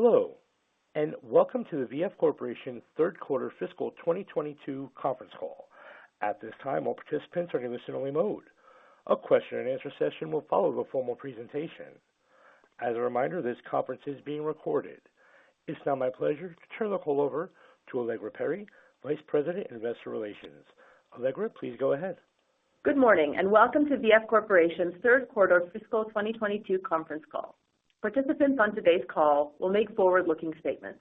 Hello, and welcome to the VF Corporation third quarter fiscal 2022 conference call. At this time, all participants are in listen only mode. A question and answer session will follow the formal presentation. As a reminder, this conference is being recorded. It's now my pleasure to turn the call over to Allegra Perry, Vice President, Investor Relations. Allegra, please go ahead. Good morning, and welcome to VF Corporation's third quarter fiscal 2022 conference call. Participants on today's call will make forward-looking statements.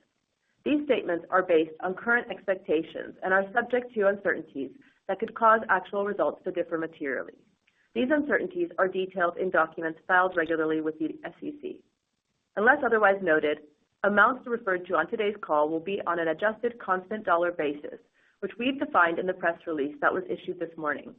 These statements are based on current expectations and are subject to uncertainties that could cause actual results to differ materially. These uncertainties are detailed in documents filed regularly with the SEC. Unless otherwise noted, amounts referred to on today's call will be on an adjusted constant dollar basis, which we've defined in the press release that was issued this morning.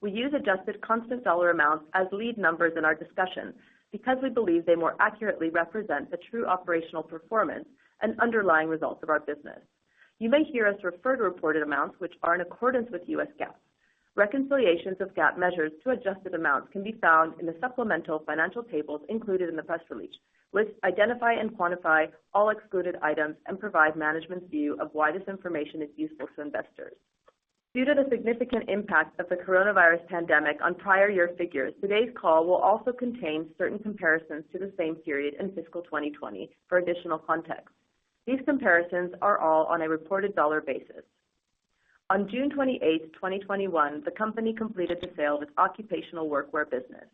We use adjusted constant dollar amounts as lead numbers in our discussions because we believe they more accurately represent the true operational performance and underlying results of our business. You may hear us refer to reported amounts which are in accordance with US GAAP. Reconciliations of GAAP measures to adjusted amounts can be found in the supplemental financial tables included in the press release, which identify and quantify all excluded items and provide management's view of why this information is useful to investors. Due to the significant impact of the coronavirus pandemic on prior year figures, today's call will also contain certain comparisons to the same period in fiscal 2020 for additional context. These comparisons are all on a reported dollar basis. On June 28, 2021, the company completed the sale of its occupational workwear business.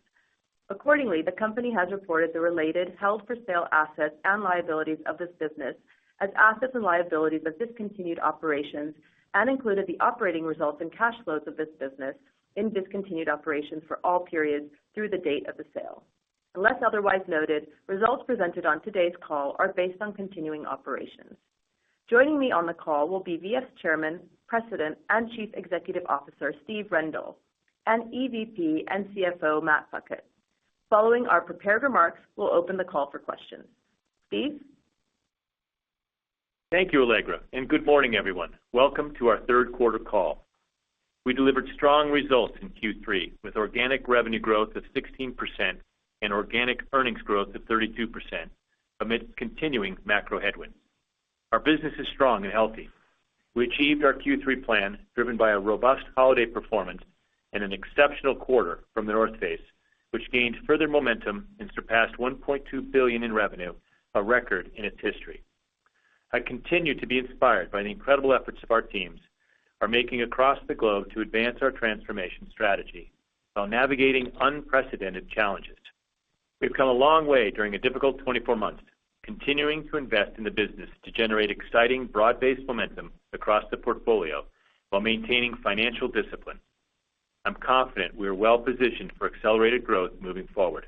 Accordingly, the company has reported the related held for sale assets and liabilities of this business as assets and liabilities of discontinued operations and included the operating results and cash flows of this business in discontinued operations for all periods through the date of the sale. Unless otherwise noted, results presented on today's call are based on continuing operations. Joining me on the call will be VF's Chairman, President, and Chief Executive Officer, Steve Rendle, and EVP and CFO, Matt Puckett. Following our prepared remarks, we'll open the call for questions. Steve. Thank you, Allegra, and good morning, everyone. Welcome to our third quarter call. We delivered strong results in Q3 with organic revenue growth of 16% and organic earnings growth of 32% amid continuing macro headwinds. Our business is strong and healthy. We achieved our Q3 plan driven by a robust holiday performance and an exceptional quarter from The North Face, which gained further momentum and surpassed $1.2 billion in revenue, a record in its history. I continue to be inspired by the incredible efforts of our teams are making across the globe to advance our transformation strategy while navigating unprecedented challenges. We've come a long way during a difficult 24 months, continuing to invest in the business to generate exciting, broad-based momentum across the portfolio while maintaining financial discipline. I'm confident we are well positioned for accelerated growth moving forward.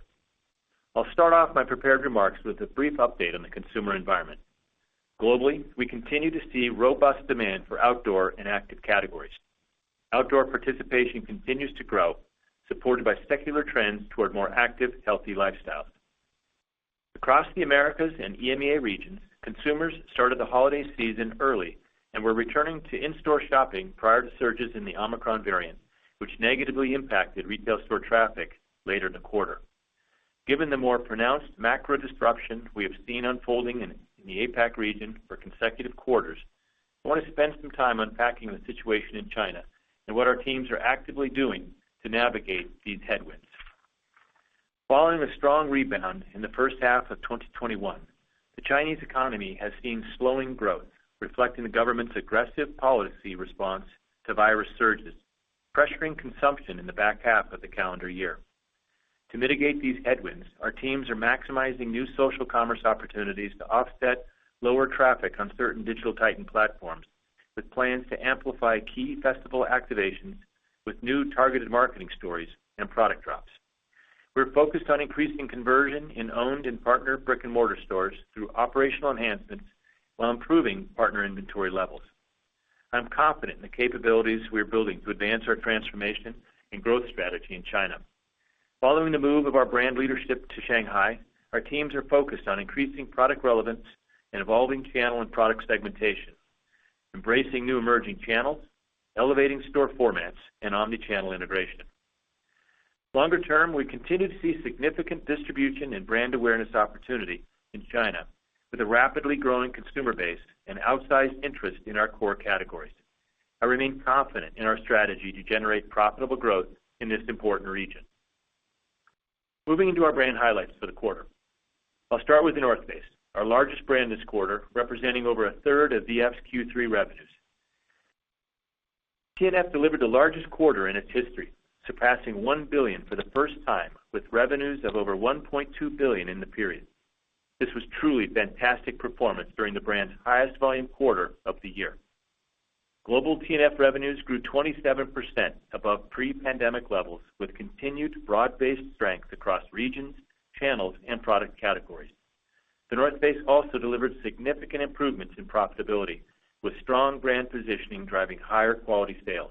I'll start off my prepared remarks with a brief update on the consumer environment. Globally, we continue to see robust demand for outdoor and active categories. Outdoor participation continues to grow, supported by secular trends toward more active, healthy lifestyles. Across the Americas and EMEA region, consumers started the holiday season early and were returning to in-store shopping prior to surges in the Omicron variant, which negatively impacted retail store traffic later in the quarter. Given the more pronounced macro disruption we have seen unfolding in the APAC region for consecutive quarters, I want to spend some time unpacking the situation in China and what our teams are actively doing to navigate these headwinds. Following a strong rebound in the first half of 2021, the Chinese economy has seen slowing growth, reflecting the government's aggressive policy response to virus surges, pressuring consumption in the back half of the calendar year. To mitigate these headwinds, our teams are maximizing new social commerce opportunities to offset lower traffic on certain digital titan platforms, with plans to amplify key festival activations with new targeted marketing stories and product drops. We're focused on increasing conversion in owned and partner brick-and-mortar stores through operational enhancements while improving partner inventory levels. I'm confident in the capabilities we are building to advance our transformation and growth strategy in China. Following the move of our brand leadership to Shanghai, our teams are focused on increasing product relevance and evolving channel and product segmentation, embracing new emerging channels, elevating store formats, and omni-channel integration. Longer term, we continue to see significant distribution and brand awareness opportunity in China with a rapidly growing consumer base and outsized interest in our core categories. I remain confident in our strategy to generate profitable growth in this important region. Moving into our brand highlights for the quarter. I'll start with The North Face, our largest brand this quarter, representing over a third of VF's Q3 revenues. TNF delivered the largest quarter in its history, surpassing $1 billion for the first time, with revenues of over $1.2 billion in the period. This was truly fantastic performance during the brand's highest volume quarter of the year. Global TNF revenues grew 27% above pre-pandemic levels, with continued broad-based strength across regions, channels, and product categories. The North Face also delivered significant improvements in profitability, with strong brand positioning driving higher quality sales.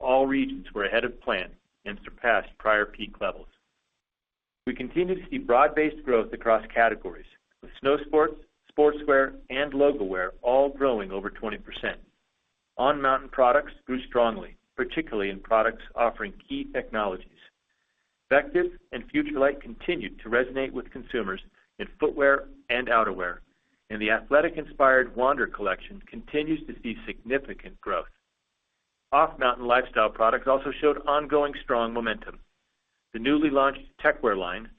All regions were ahead of plan and surpassed prior peak levels. We continue to see broad-based growth across categories, with snow sports, sportswear, and logo wear all growing over 20%. On-mountain products grew strongly, particularly in products offering key technologies. VECTIV and FUTURELIGHT continued to resonate with consumers in footwear and outerwear, and the athletic-inspired Wander collection continues to see significant growth. Off-mountain lifestyle products also showed ongoing strong momentum. The newly launched Techwear line,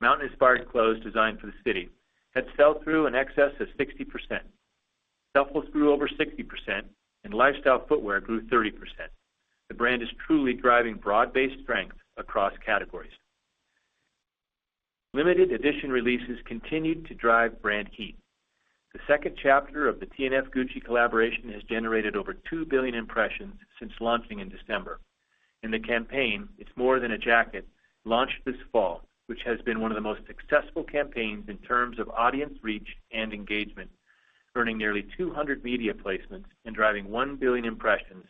mountain-inspired clothes designed for the city, had sell-through in excess of 60%. Duffels grew over 60% and lifestyle footwear grew 30%. The brand is truly driving broad-based strength across categories. Limited edition releases continued to drive brand heat. The second chapter of the TNF Gucci collaboration has generated over two billion impressions since launching in December. The campaign, It's More Than a Jacket, launched this fall, which has been one of the most successful campaigns in terms of audience reach and engagement, earning nearly 200 media placements and driving one billion impressions,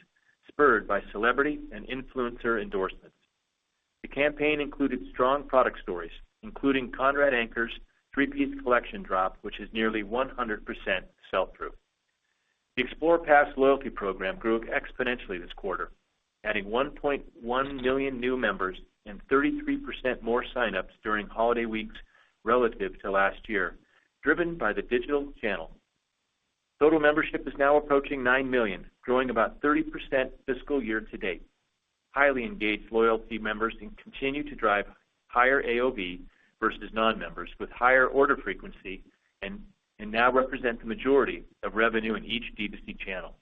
spurred by celebrity and influencer endorsements. The campaign included strong product stories, including Conrad Anker's three-piece collection drop, which is nearly 100% sell-through. The XPLR Pass loyalty program grew exponentially this quarter, adding 1.1 million new members and 33% more signups during holiday weeks relative to last year, driven by the digital channel. Total membership is now approaching nine million, growing about 30% fiscal year to date. Highly engaged loyalty members can continue to drive higher AOV versus non-members with higher order frequency and now represent the majority of revenue in each D2C channel.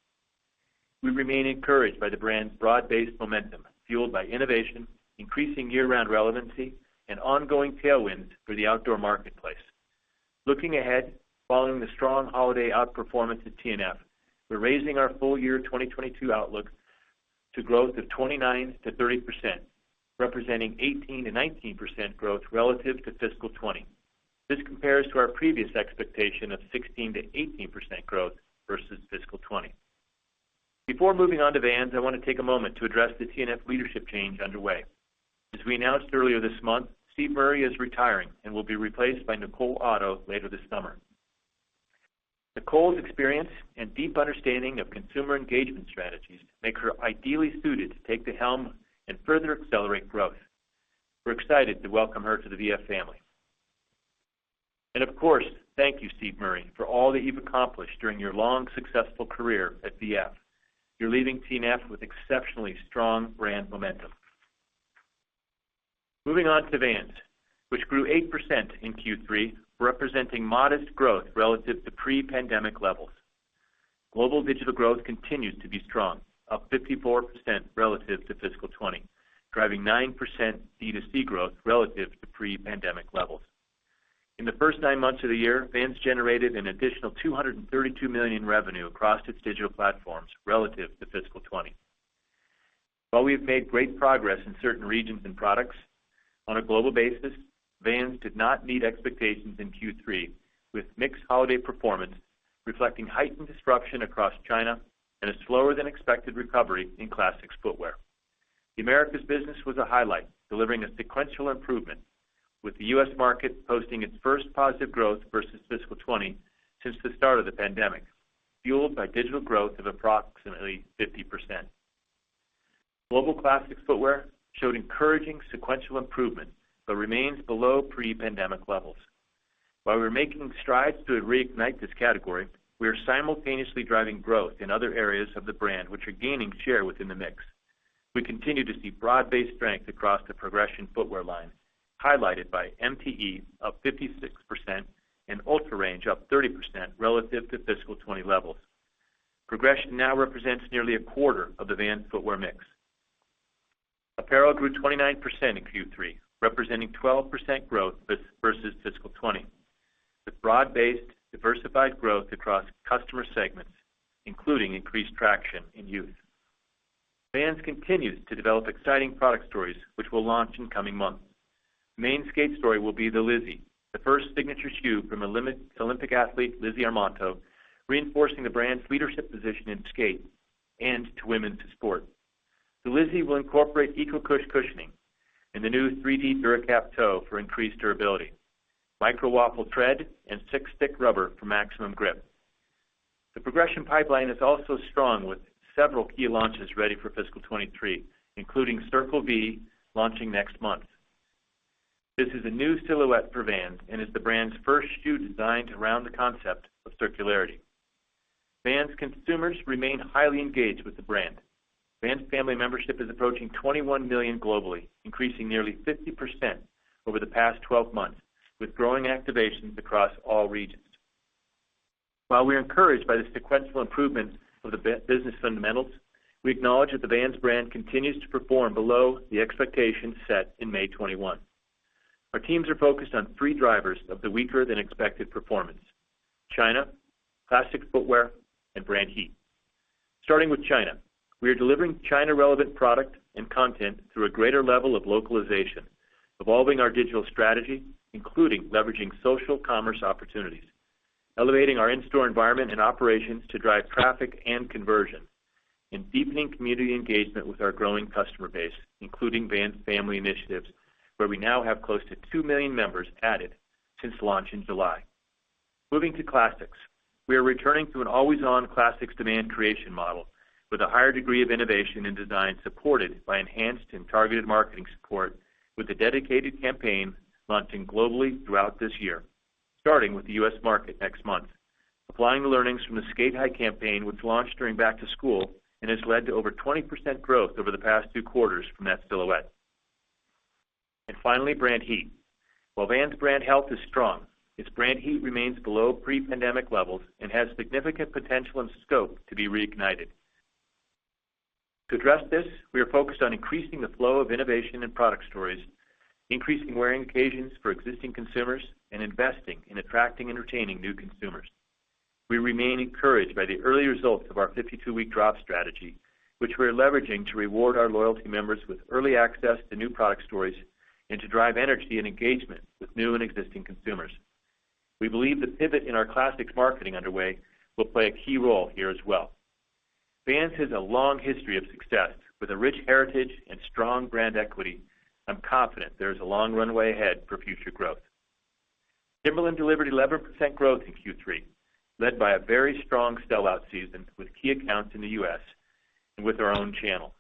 We remain encouraged by the brand's broad-based momentum, fueled by innovation, increasing year-round relevancy, and ongoing tailwinds for the outdoor marketplace. Looking ahead, following the strong holiday outperformance of TNF, we're raising our full year 2022 outlook to growth of 29%-30%, representing 18%-19% growth relative to fiscal 2020. This compares to our previous expectation of 16%-18% growth versus fiscal 2020. Before moving on to Vans, I want to take a moment to address the TNF leadership change underway. As we announced earlier this month, Steve Murray is retiring and will be replaced by Nicole Otto later this summer. Nicole's experience and deep understanding of consumer engagement strategies make her ideally suited to take the helm and further accelerate growth. We're excited to welcome her to the VF family. Of course, thank you, Steve Murray, for all that you've accomplished during your long, successful career at VF. You're leaving TNF with exceptionally strong brand momentum. Moving on to Vans, which grew 8% in Q3, representing modest growth relative to pre-pandemic levels. Global digital growth continues to be strong, up 54% relative to fiscal 2020, driving 9% D2C growth relative to pre-pandemic levels. In the first nine months of the year, Vans generated an additional $232 million in revenue across its digital platforms relative to fiscal 2020. While we have made great progress in certain regions and products on a global basis, Vans did not meet expectations in Q3, with mixed holiday performance reflecting heightened disruption across China and a slower-than-expected recovery in classics footwear. The Americas business was a highlight, delivering a sequential improvement, with the U.S. market posting its first positive growth versus fiscal 2020 since the start of the pandemic, fueled by digital growth of approximately 50%. Global classics footwear showed encouraging sequential improvement, but remains below pre-pandemic levels. While we're making strides to reignite this category, we are simultaneously driving growth in other areas of the brand which are gaining share within the mix. We continue to see broad-based strength across the progression footwear line, highlighted by MTE up 56% and UltraRange up 30% relative to fiscal 2020 levels. Progression now represents nearly a quarter of the Vans footwear mix. Apparel grew 29% in Q3, representing 12% growth versus fiscal 2020, with broad-based, diversified growth across customer segments, including increased traction in youth. Vans continues to develop exciting product stories which will launch in coming months. The main skate story will be The Lizzie, the first signature shoe from Olympic athlete Lizzie Armanto, reinforcing the brand's leadership position in skate and women's sport. The Lizzie will incorporate EcoCush cushioning and the new 3D DURACAP toe for increased durability, micro-waffle tread, and SickStick rubber for maximum grip. The progression pipeline is also strong with several key launches ready for fiscal 2023, including Circle Vee launching next month. This is a new silhouette for Vans and is the brand's first shoe designed around the concept of circularity. Vans consumers remain highly engaged with the brand. Vans Family membership is approaching 21 million globally, increasing nearly 50% over the past 12 months, with growing activations across all regions. While we are encouraged by the sequential improvements of the business fundamentals, we acknowledge that the Vans brand continues to perform below the expectations set in May 2021. Our teams are focused on three drivers of the weaker-than-expected performance: China, classics footwear, and brand heat. Starting with China, we are delivering China-relevant product and content through a greater level of localization, evolving our digital strategy, including leveraging social commerce opportunities, elevating our in-store environment and operations to drive traffic and conversion, and deepening community engagement with our growing customer base, including Vans Family initiatives, where we now have close to two million members added since launch in July. Moving to Classics. We are returning to an always-on classics demand creation model with a higher degree of innovation and design supported by enhanced and targeted marketing support, with a dedicated campaign launching globally throughout this year, starting with the U.S. market next month. Applying the learnings from the Sk8-Hi campaign, which launched during back to school, and has led to over 20% growth over the past two quarters from that silhouette. Finally, brand heat. While Vans brand health is strong, its brand heat remains below pre-pandemic levels and has significant potential and scope to be reignited. To address this, we are focused on increasing the flow of innovation and product stories, increasing wearing occasions for existing consumers, and investing in attracting and retaining new consumers. We remain encouraged by the early results of our 52-week drop strategy, which we are leveraging to reward our loyalty members with early access to new product stories and to drive energy and engagement with new and existing consumers. We believe the pivot in our classics marketing underway will play a key role here as well. Vans has a long history of success with a rich heritage and strong brand equity. I'm confident there is a long runway ahead for future growth. Timberland delivered 11% growth in Q3, led by a very strong sell-out season with key accounts in the U.S. and with our own channel.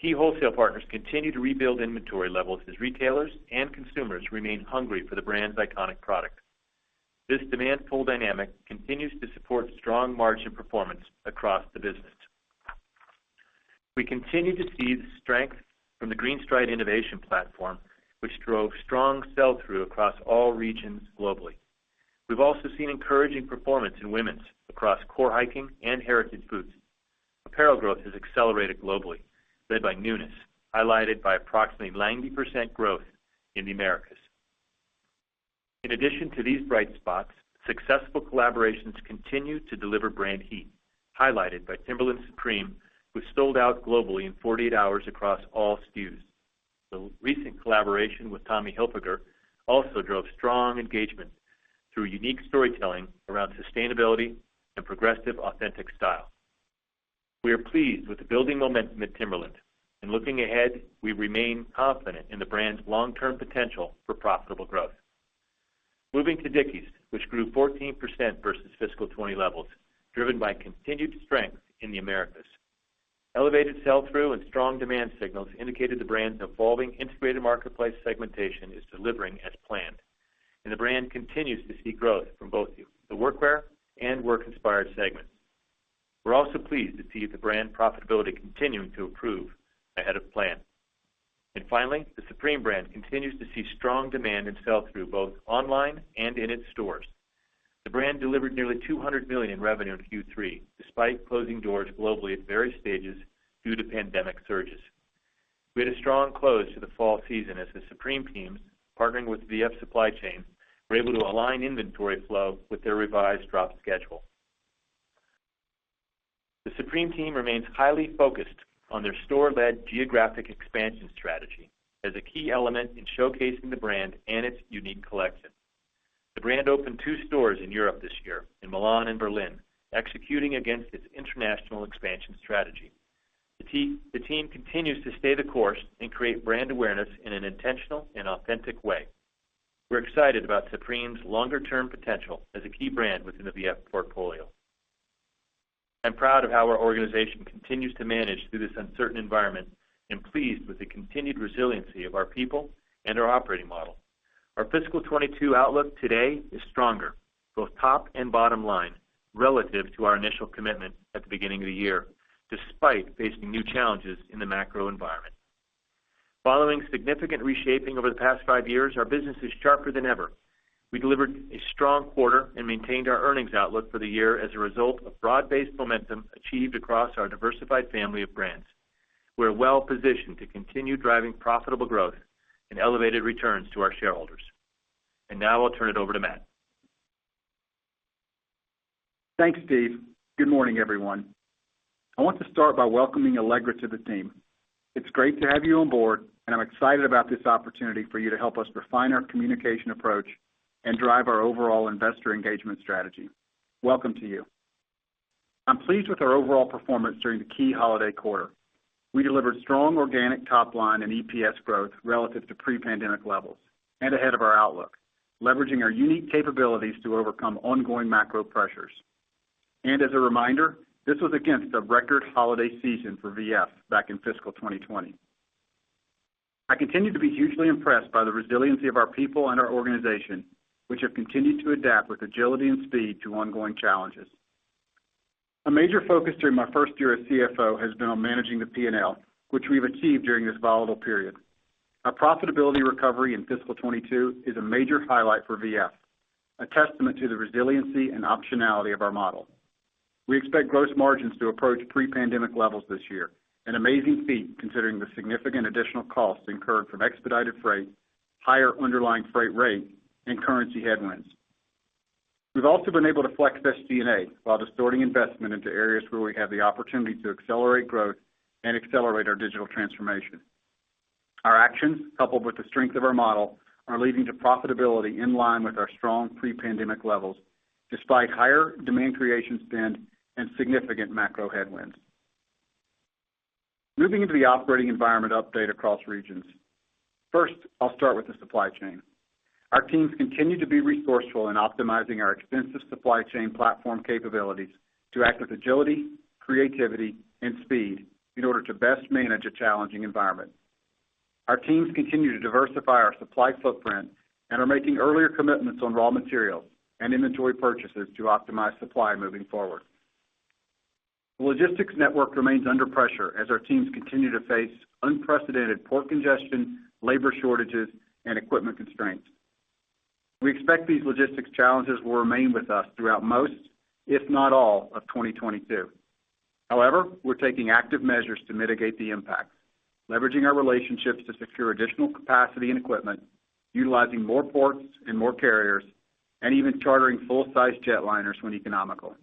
Key wholesale partners continue to rebuild inventory levels as retailers and consumers remain hungry for the brand's iconic product. This demand pull dynamic continues to support strong margin performance across the business. We continue to see the strength from the GreenStride innovation platform, which drove strong sell-through across all regions globally. We've also seen encouraging performance in women's across core hiking and heritage boots. Apparel growth has accelerated globally, led by newness, highlighted by approximately 90% growth in the Americas. In addition to these bright spots, successful collaborations continue to deliver brand heat, highlighted by Timberland Supreme, who sold out globally in 48 hours across all SKUs. The recent collaboration with Tommy Hilfiger also drove strong engagement through unique storytelling around sustainability and progressive, authentic style. We are pleased with the building momentum at Timberland, and looking ahead, we remain confident in the brand's long-term potential for profitable growth. Moving to Dickies, which grew 14% versus fiscal 2020 levels, driven by continued strength in the Americas. Elevated sell-through and strong demand signals indicated the brand's evolving integrated marketplace segmentation is delivering as planned, and the brand continues to see growth from both the workwear and work inspired segments. We're also pleased to see the brand profitability continuing to improve ahead of plan. Finally, the Supreme brand continues to see strong demand and sell-through both online and in its stores. The brand delivered nearly $200 million in revenue in Q3, despite closing doors globally at various stages due to pandemic surges. We had a strong close to the fall season as the Supreme team, partnering with VF supply chain, were able to align inventory flow with their revised drop schedule. The Supreme team remains highly focused on their store-led geographic expansion strategy as a key element in showcasing the brand and its unique collection. The brand opened two stores in Europe this year in Milan and Berlin, executing against its international expansion strategy. The team continues to stay the course and create brand awareness in an intentional and authentic way. We're excited about Supreme's longer-term potential as a key brand within the VF portfolio. I'm proud of how our organization continues to manage through this uncertain environment and pleased with the continued resiliency of our people and our operating model. Our fiscal 2022 outlook today is stronger, both top and bottom line, relative to our initial commitment at the beginning of the year, despite facing new challenges in the macro environment. Following significant reshaping over the past five years, our business is sharper than ever. We delivered a strong quarter and maintained our earnings outlook for the year as a result of broad-based momentum achieved across our diversified family of brands. We're well-positioned to continue driving profitable growth and elevated returns to our shareholders. Now I'll turn it over to Matt. Thanks, Steve. Good morning, everyone. I want to start by welcoming Allegra to the team. It's great to have you on board, and I'm excited about this opportunity for you to help us refine our communication approach and drive our overall investor engagement strategy. Welcome to you. I'm pleased with our overall performance during the key holiday quarter. We delivered strong organic top line and EPS growth relative to pre-pandemic levels and ahead of our outlook, leveraging our unique capabilities to overcome ongoing macro pressures. As a reminder, this was against a record holiday season for VF back in fiscal 2020. I continue to be hugely impressed by the resiliency of our people and our organization, which have continued to adapt with agility and speed to ongoing challenges. A major focus during my first year as CFO has been on managing the P&L, which we've achieved during this volatile period. Our profitability recovery in fiscal 2022 is a major highlight for VF, a testament to the resiliency and optionality of our model. We expect gross margins to approach pre-pandemic levels this year, an amazing feat considering the significant additional costs incurred from expedited freight, higher underlying freight rate, and currency headwinds. We've also been able to flex this DNA while distorting investment into areas where we have the opportunity to accelerate growth and accelerate our digital transformation. Our actions, coupled with the strength of our model, are leading to profitability in line with our strong pre-pandemic levels despite higher demand creation spend and significant macro headwinds. Moving into the operating environment update across regions. First, I'll start with the supply chain. Our teams continue to be resourceful in optimizing our extensive supply chain platform capabilities to act with agility, creativity, and speed in order to best manage a challenging environment. Our teams continue to diversify our supply footprint and are making earlier commitments on raw materials and inventory purchases to optimize supply moving forward. The logistics network remains under pressure as our teams continue to face unprecedented port congestion, labor shortages, and equipment constraints. We expect these logistics challenges will remain with us throughout most, if not all, of 2022. However, we're taking active measures to mitigate the impact, leveraging our relationships to secure additional capacity and equipment, utilizing more ports and more carriers, and even chartering full-size jetliners when economical.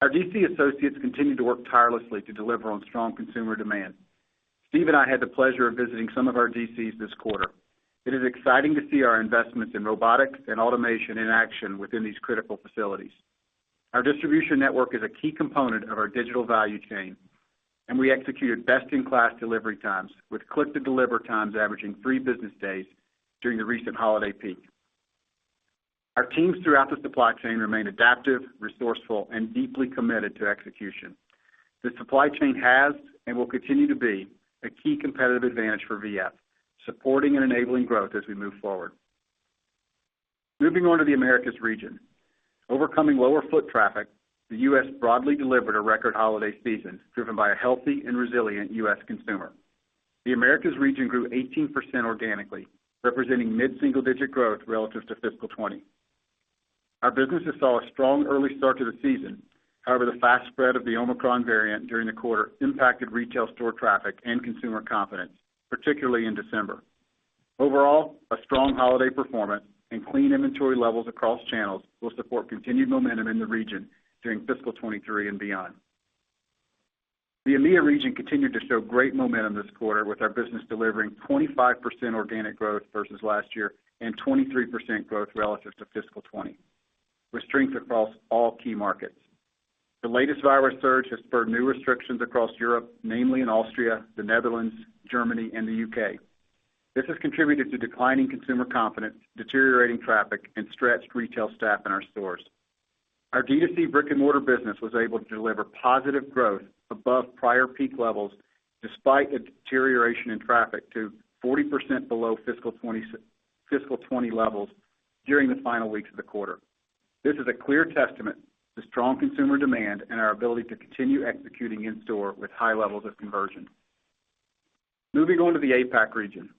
Our DC associates continue to work tirelessly to deliver on strong consumer demand. Steve and I had the pleasure of visiting some of our DCs this quarter. It is exciting to see our investments in robotics and automation in action within these critical facilities. Our distribution network is a key component of our digital value chain, and we executed best-in-class delivery times with click-to-deliver times averaging three business days during the recent holiday peak. Our teams throughout the supply chain remain adaptive, resourceful, and deeply committed to execution. The supply chain has and will continue to be a key competitive advantage for VF, supporting and enabling growth as we move forward. Moving on to the Americas region. Overcoming lower foot traffic, the U.S. broadly delivered a record holiday season driven by a healthy and resilient U.S. consumer. The Americas region grew 18% organically, representing mid-single-digit growth relative to fiscal 2020. Our businesses saw a strong early start to the season. However, the fast spread of the Omicron variant during the quarter impacted retail store traffic and consumer confidence, particularly in December. Overall, a strong holiday performance and clean inventory levels across channels will support continued momentum in the region during fiscal 2023 and beyond. The EMEA region continued to show great momentum this quarter with our business delivering 25% organic growth versus last year and 23% growth relative to fiscal 2020, with strength across all key markets. The latest virus surge has spurred new restrictions across Europe, namely in Austria, the Netherlands, Germany, and the U.K. This has contributed to declining consumer confidence, deteriorating traffic, and stretched retail staff in our stores. Our D2C brick-and-mortar business was able to deliver positive growth above prior peak levels despite a deterioration in traffic to 40% below fiscal 2020 levels during the final weeks of the quarter. This is a clear testament to strong consumer demand and our ability to continue executing in-store with high levels of conversion. Moving on to the APAC region.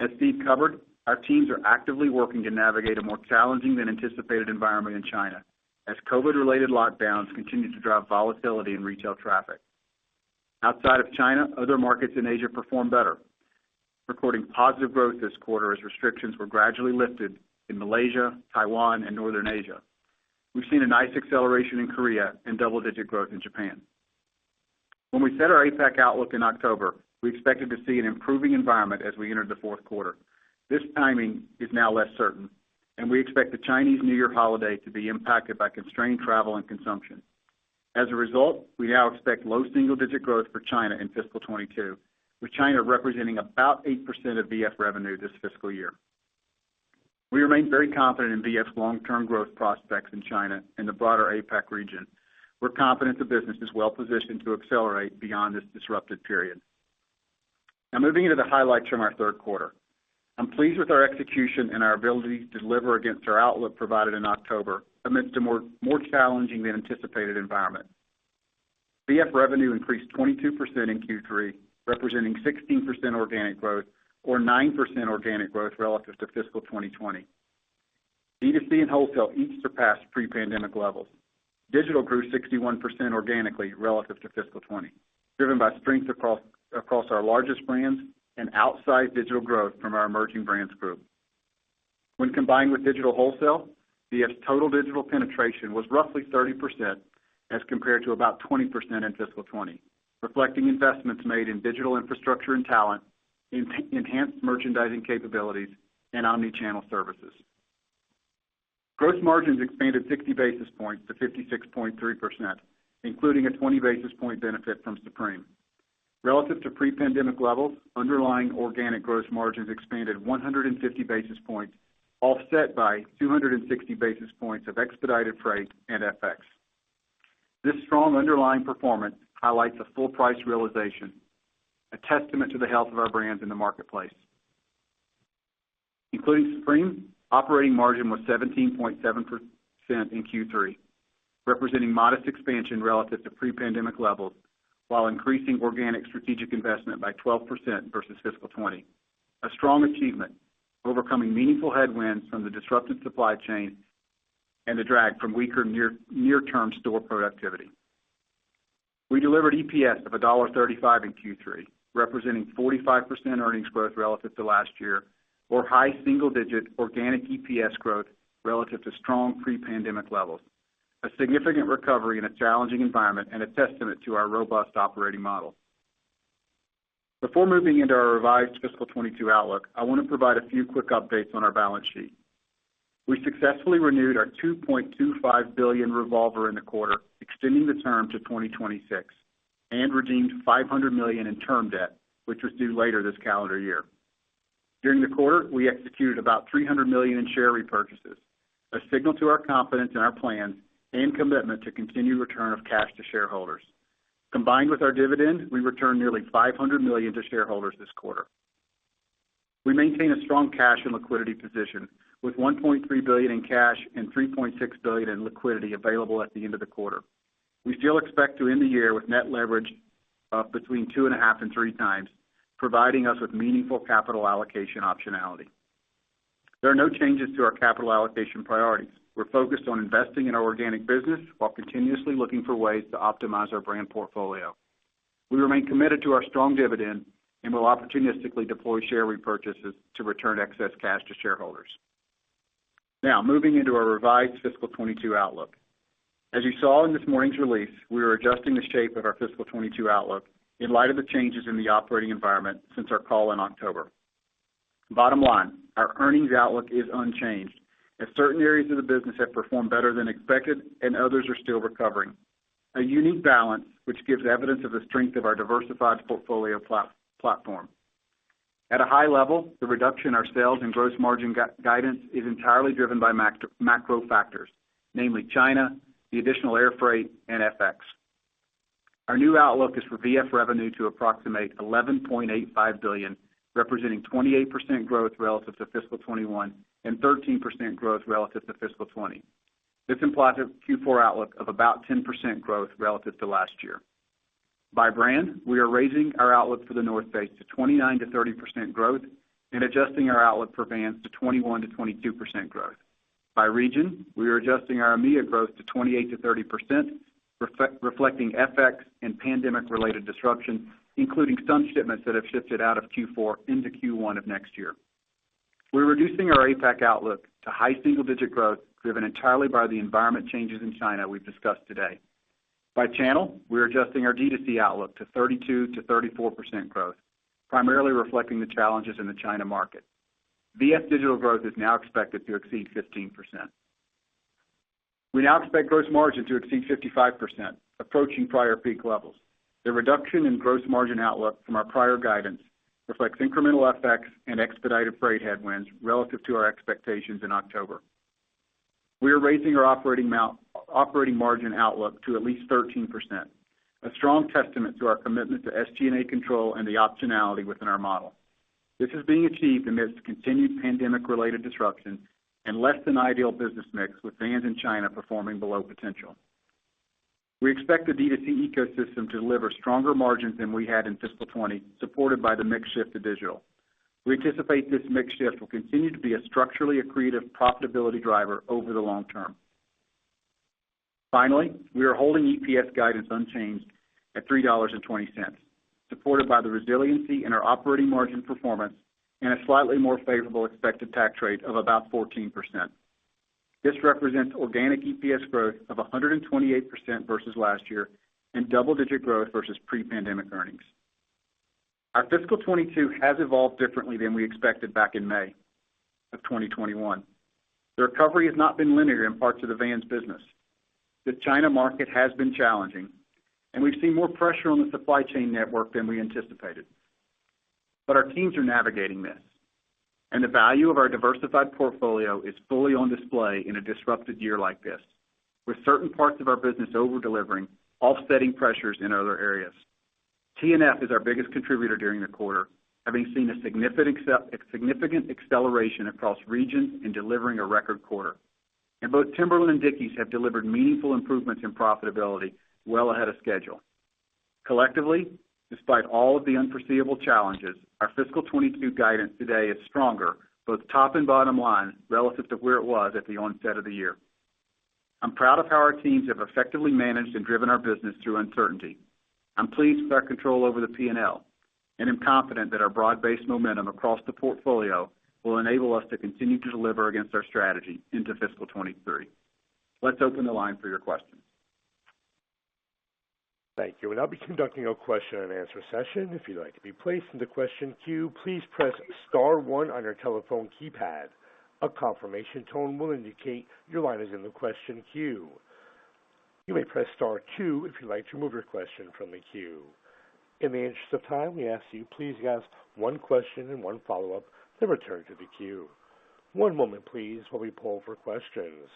As Steve covered, our teams are actively working to navigate a more challenging than anticipated environment in China as COVID-related lockdowns continue to drive volatility in retail traffic. Outside of China, other markets in Asia performed better, recording positive growth this quarter as restrictions were gradually lifted in Malaysia, Taiwan, and Northern Asia. We've seen a nice acceleration in Korea and double-digit growth in Japan. When we set our APAC outlook in October, we expected to see an improving environment as we entered the fourth quarter. This timing is now less certain, and we expect the Chinese New Year holiday to be impacted by constrained travel and consumption. As a result, we now expect low single-digit growth for China in fiscal 2022, with China representing about 8% of VF revenue this fiscal year. We remain very confident in VF's long-term growth prospects in China and the broader APAC region. We're confident the business is well-positioned to accelerate beyond this disrupted period. Now moving into the highlights from our third quarter. I'm pleased with our execution and our ability to deliver against our outlook provided in October amidst a more challenging than anticipated environment. VF revenue increased 22% in Q3, representing 16% organic growth or 9% organic growth relative to fiscal 2020. D2C and wholesale each surpassed pre-pandemic levels. Digital grew 61% organically relative to fiscal 2020, driven by strength across our largest brands and outsized digital growth from our emerging brands group. When combined with digital wholesale, VF's total digital penetration was roughly 30% as compared to about 20% in fiscal 2020, reflecting investments made in digital infrastructure and talent, enhanced merchandising capabilities, and omni-channel services. Gross margins expanded 60 basis points to 56.3%, including a 20 basis point benefit from Supreme. Relative to pre-pandemic levels, underlying organic gross margins expanded 150 basis points, offset by 260 basis points of expedited freight and FX. This strong underlying performance highlights a full price realization, a testament to the health of our brands in the marketplace. Including Supreme, operating margin was 17.7% in Q3, representing modest expansion relative to pre-pandemic levels, while increasing organic strategic investment by 12% versus fiscal 2020. A strong achievement, overcoming meaningful headwinds from the disrupted supply chain and the drag from weaker near-term store productivity. We delivered EPS of $1.35 in Q3, representing 45% earnings growth relative to last year, or high single-digit organic EPS growth relative to strong pre-pandemic levels. A significant recovery in a challenging environment and a testament to our robust operating model. Before moving into our revised fiscal 2022 outlook, I wanna provide a few quick updates on our balance sheet. We successfully renewed our $2.25 billion revolver in the quarter, extending the term to 2026, and redeemed $500 million in term debt, which was due later this calendar year. During the quarter, we executed about $300 million in share repurchases, a signal to our confidence in our plans and commitment to continued return of cash to shareholders. Combined with our dividend, we returned nearly $500 million to shareholders this quarter. We maintain a strong cash and liquidity position, with $1.3 billion in cash and $3.6 billion in liquidity available at the end of the quarter. We still expect to end the year with net leverage of between 2.5x and 3x, providing us with meaningful capital allocation optionality. There are no changes to our capital allocation priorities. We're focused on investing in our organic business while continuously looking for ways to optimize our brand portfolio. We remain committed to our strong dividend and will opportunistically deploy share repurchases to return excess cash to shareholders. Now, moving into our revised fiscal 2022 outlook. As you saw in this morning's release, we are adjusting the shape of our fiscal 2022 outlook in light of the changes in the operating environment since our call in October. Bottom line, our earnings outlook is unchanged, as certain areas of the business have performed better than expected and others are still recovering. A unique balance which gives evidence of the strength of our diversified portfolio platform. At a high level, the reduction in our sales and gross margin guidance is entirely driven by macro factors, namely China, the additional air freight and FX. Our new outlook is for VF revenue to approximate $11.85 billion, representing 28% growth relative to fiscal 2021 and 13% growth relative to fiscal 2020. This implies a Q4 outlook of about 10% growth relative to last year. By brand, we are raising our outlook for The North Face to 29%-30% growth and adjusting our outlook for Vans to 21%-22% growth. By region, we are adjusting our EMEA growth to 28%-30%, reflecting FX and pandemic-related disruption, including some shipments that have shifted out of Q4 into Q1 of next year. We're reducing our APAC outlook to high single-digit growth, driven entirely by the environment changes in China we've discussed today. By channel, we are adjusting our D2C outlook to 32%-34% growth, primarily reflecting the challenges in the China market. VF Digital growth is now expected to exceed 15%. We now expect gross margin to exceed 55%, approaching prior peak levels. The reduction in gross margin outlook from our prior guidance reflects incremental FX and expedited freight headwinds relative to our expectations in October. We are raising our operating margin outlook to at least 13%, a strong testament to our commitment to SG&A control and the optionality within our model. This is being achieved amidst continued pandemic-related disruption and less than ideal business mix, with Vans in China performing below potential. We expect the D2C ecosystem to deliver stronger margins than we had in fiscal 2020, supported by the mix shift to digital. We anticipate this mix shift will continue to be a structurally accretive profitability driver over the long term. Finally, we are holding EPS guidance unchanged at $3.20, supported by the resiliency in our operating margin performance and a slightly more favorable expected tax rate of about 14%. This represents organic EPS growth of 128% versus last year and double-digit growth versus pre-pandemic earnings. Our fiscal 2022 has evolved differently than we expected back in May 2021. The recovery has not been linear in parts of the Vans business. The China market has been challenging, and we've seen more pressure on the supply chain network than we anticipated. Our teams are navigating this, and the value of our diversified portfolio is fully on display in a disrupted year like this, with certain parts of our business over-delivering, offsetting pressures in other areas. TNF is our biggest contributor during the quarter, having seen a significant acceleration across regions in delivering a record quarter. Both Timberland and Dickies have delivered meaningful improvements in profitability well ahead of schedule. Collectively, despite all of the unforeseeable challenges, our fiscal 2022 guidance today is stronger, both top and bottom line, relative to where it was at the onset of the year. I'm proud of how our teams have effectively managed and driven our business through uncertainty. I'm pleased with our control over the P&L and am confident that our broad-based momentum across the portfolio will enable us to continue to deliver against our strategy into fiscal 2023. Let's open the line for your questions. Thank you. We'll now be conducting a question-and-answer session. If you'd like to be placed in the question queue, please press star one on your telephone keypad. A confirmation tone will indicate your line is in the question queue. You may press star two if you'd like to remove your question from the queue. In the interest of time, we ask you please ask one question and one follow-up, then return to the queue. One moment, please, while we poll for questions.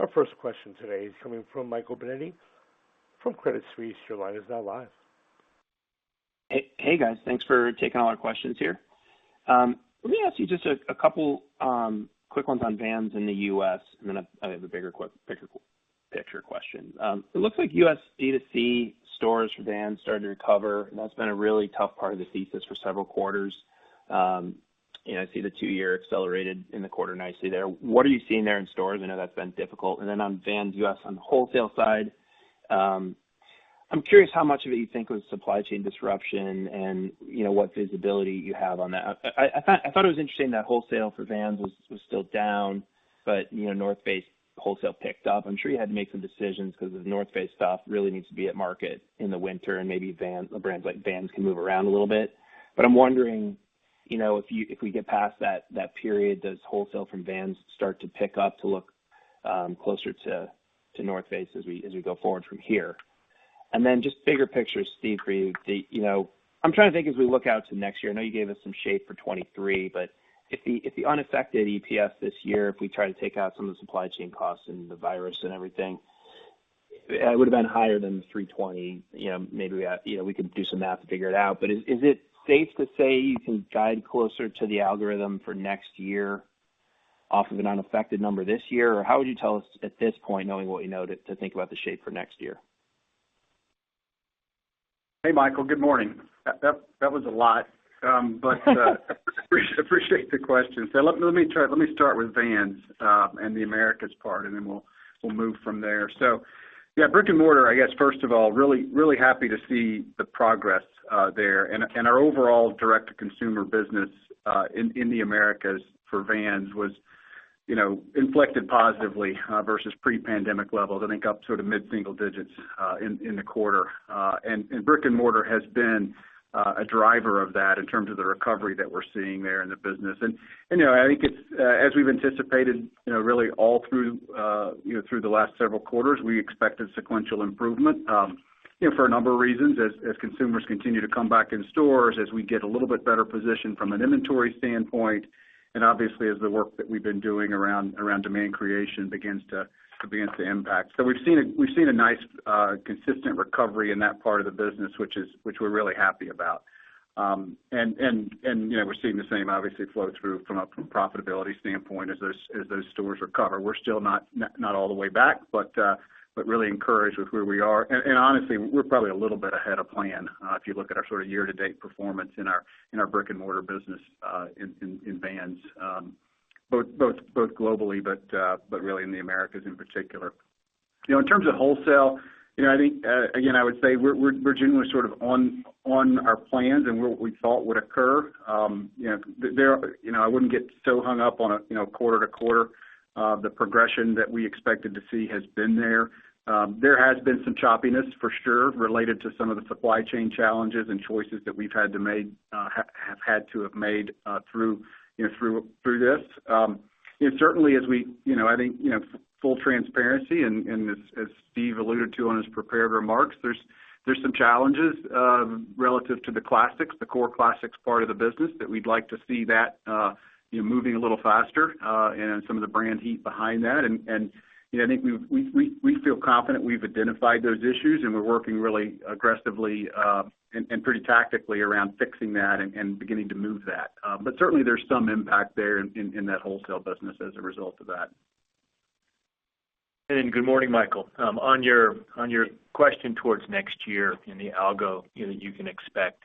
Our first question today is coming from Michael Binetti from Credit Suisse. Your line is now live. Hey, guys. Thanks for taking all our questions here. Let me ask you just a couple quick ones on Vans in the U.S., and then I have a bigger picture question. It looks like U.S. D2C stores for Vans started to recover. That's been a really tough part of the thesis for several quarters. I see the two-year accelerated in the quarter nicely there. What are you seeing there in stores? I know that's been difficult. Then on Vans U.S., on the wholesale side, I'm curious how much of it you think was supply chain disruption and, you know, what visibility you have on that. I thought it was interesting that wholesale for Vans was still down, but, you know, The North Face wholesale picked up. I'm sure you had to make some decisions because The North Face stuff really needs to be at market in the winter, and maybe brands like Vans can move around a little bit. I'm wondering, you know, if we get past that period, does wholesale from Vans start to pick up to look closer to The North Face as we go forward from here? Then just bigger picture, Steve, for you. You know, I'm trying to think as we look out to next year, I know you gave us some shape for 2023, but if the unaffected EPS this year, if we try to take out some of the supply chain costs and the virus and everything, it would have been higher than $3.20. You know, maybe we have, you know, we could do some math to figure it out. Is it safe to say you can guide closer to the algorithm for next year off of an unaffected number this year? How would you tell us at this point, knowing what we know, to think about the shape for next year? Hey, Michael. Good morning. That was a lot. Appreciate the question. Let me start with Vans and the Americas part, and then we'll move from there. Yeah, brick-and-mortar, I guess, first of all, really happy to see the progress there. Our overall direct-to-consumer business in the Americas for Vans was, you know, inflected positively versus pre-pandemic levels. I think up sort of mid-single digits in the quarter. Brick-and-mortar has been a driver of that in terms of the recovery that we're seeing there in the business. You know, I think it's as we've anticipated, you know, really all through you know, through the last several quarters, we expected sequential improvement, you know, for a number of reasons as consumers continue to come back in stores, as we get a little bit better position from an inventory standpoint. Obviously, as the work that we've been doing around demand creation begins to impact. We've seen a nice consistent recovery in that part of the business, which we're really happy about. You know, we're seeing the same obviously flow through from a profitability standpoint as those stores recover. We're still not all the way back, but really encouraged with where we are. Honestly, we're probably a little bit ahead of plan if you look at our sort of year-to-date performance in our brick-and-mortar business in Vans, both globally, but really in the Americas in particular. You know, in terms of wholesale, you know, I think again, I would say we're genuinely sort of on our plans and what we thought would occur. You know, I wouldn't get so hung up on a quarter to quarter. The progression that we expected to see has been there. There has been some choppiness for sure related to some of the supply chain challenges and choices that we've had to make through this. Certainly you know, I think, you know, full transparency and as Steve alluded to on his prepared remarks, there's some challenges relative to the classics, the core classics part of the business that we'd like to see that you know moving a little faster and some of the brand heat behind that. You know, I think we feel confident we've identified those issues, and we're working really aggressively and pretty tactically around fixing that and beginning to move that. Certainly there's some impact there in that wholesale business as a result of that. Good morning, Michael. On your question towards next year in the algorithm, you know, you can expect.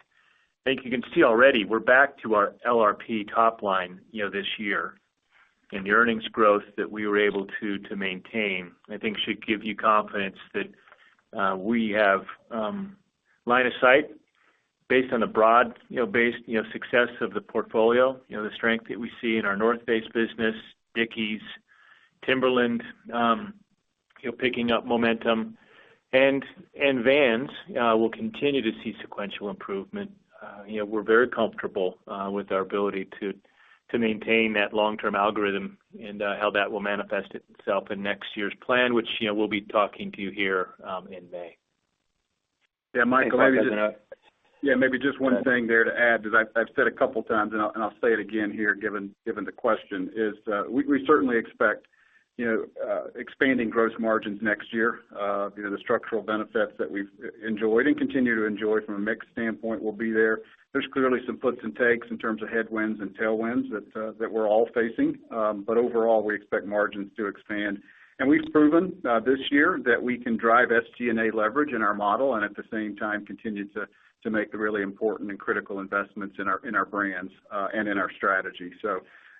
I think you can see already we're back to our LRP top line, you know, this year. The earnings growth that we were able to maintain, I think should give you confidence that we have line of sight based on the broad, you know, base success of the portfolio. You know, the strength that we see in our North Face business, Dickies, Timberland, you know, picking up momentum. Vans will continue to see sequential improvement. You know, we're very comfortable with our ability to maintain that long-term algorithm and how that will manifest itself in next year's plan, which, you know, we'll be talking to you here in May. Yeah, Michael, maybe just. I think that's enough. Yeah, maybe just one thing there to add, as I've said a couple times, and I'll say it again here given the question is, we certainly expect, you know, expanding gross margins next year. You know, the structural benefits that we've enjoyed and continue to enjoy from a mix standpoint will be there. There's clearly some puts and takes in terms of headwinds and tailwinds that we're all facing. But overall, we expect margins to expand. We've proven this year that we can drive SG&A leverage in our model and at the same time continue to make the really important and critical investments in our brands and in our strategy.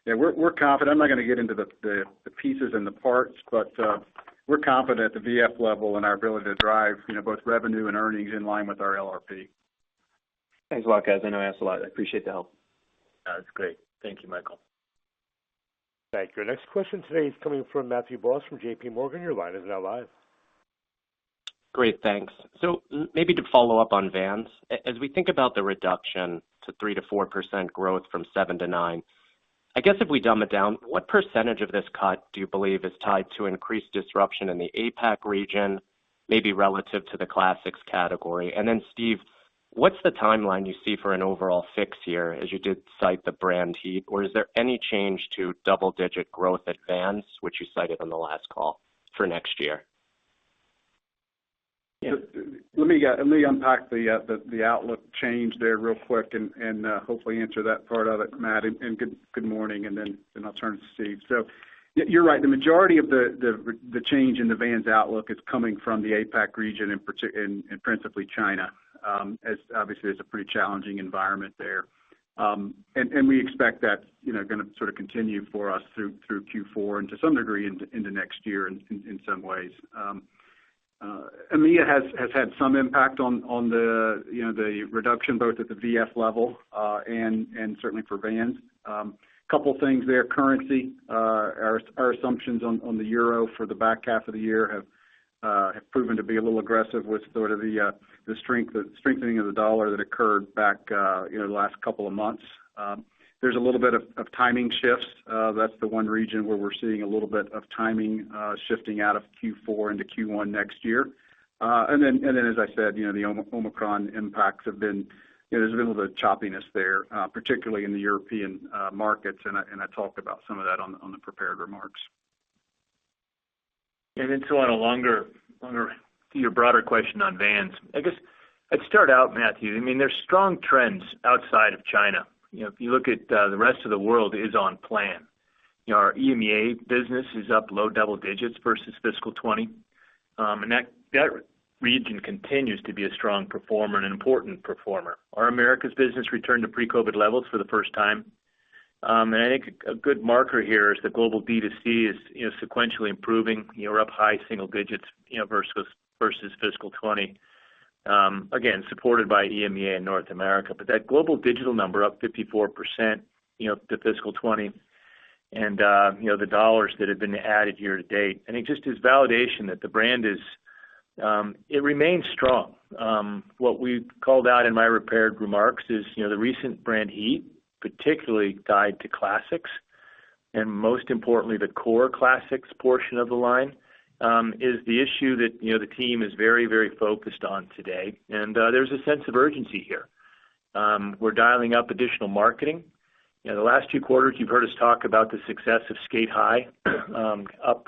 Yeah, we're confident. I'm not gonna get into the pieces and the parts, but we're confident at the VF level and our ability to drive, you know, both revenue and earnings in line with our LRP. Thanks a lot, guys. I know I ask a lot. I appreciate the help. That's great. Thank you, Michael. Thank you. Our next question today is coming from Matthew Boss from J.P. Morgan. Your line is now live. Great, thanks. Maybe to follow up on Vans. As we think about the reduction to 3%-4% growth from 7%-9%, I guess if we dumb it down, what percentage of this cut do you believe is tied to increased disruption in the APAC region, maybe relative to the classics category? And then Steve, what's the timeline you see for an overall fix here as you did cite the brand heat? Or is there any change to double-digit growth at Vans, which you cited on the last call for next year? Let me unpack the outlook change there real quick and hopefully answer that part of it, Matt. Good morning, and then I'll turn it to Steve. You're right. The majority of the change in the Vans outlook is coming from the APAC region principally China, as obviously it's a pretty challenging environment there. We expect that, you know, gonna sort of continue for us through Q4 and to some degree into next year in some ways. EMEA has had some impact on the, you know, the reduction both at the VF level and certainly for Vans. Couple things there. Currency, our assumptions on the euro for the back half of the year have Have proven to be a little aggressive with sort of the strengthening of the dollar that occurred back, you know, the last couple of months. There's a little bit of timing shifts. That's the one region where we're seeing a little bit of timing shifting out of Q4 into Q1 next year. As I said, you know, the Omicron impacts have been, you know, there's been a little bit of choppiness there, particularly in the European markets, and I talked about some of that in the prepared remarks. On your broader question on Vans. I guess I'd start out, Matthew, I mean, there's strong trends outside of China. You know, if you look at the rest of the world is on plan. You know, our EMEA business is up low double digits versus fiscal 2020. That region continues to be a strong performer and an important performer. Our Americas business returned to pre-COVID levels for the first time. I think a good marker here is the global D2C is, you know, sequentially improving. You know, we're up high single digits, you know, versus fiscal 2020. Again, supported by EMEA and North America. That global digital number up 54% to fiscal 2020 and, you know, the dollars that have been added year to date. I think just as validation that the brand is, it remains strong. What we called out in my prepared remarks is, you know, the recent brand heat, particularly tied to classics, and most importantly, the core classics portion of the line, is the issue that, you know, the team is very, very focused on today. There's a sense of urgency here. We're dialing up additional marketing. You know, the last two quarters, you've heard us talk about the success of Sk8-Hi, up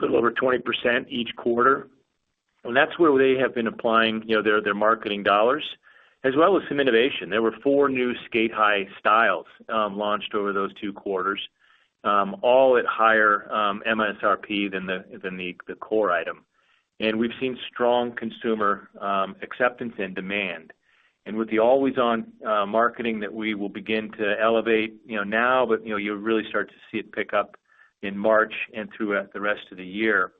a little over 20% each quarter. That's where they have been applying, you know, their marketing dollars as well as some innovation. There were four new Sk8-Hi styles, launched over those two quarters, all at higher MSRP than the core item. We've seen strong consumer acceptance and demand. With the always-on marketing that we will begin to elevate, you know, now, but, you know, you'll really start to see it pick up in March and throughout the rest of the year,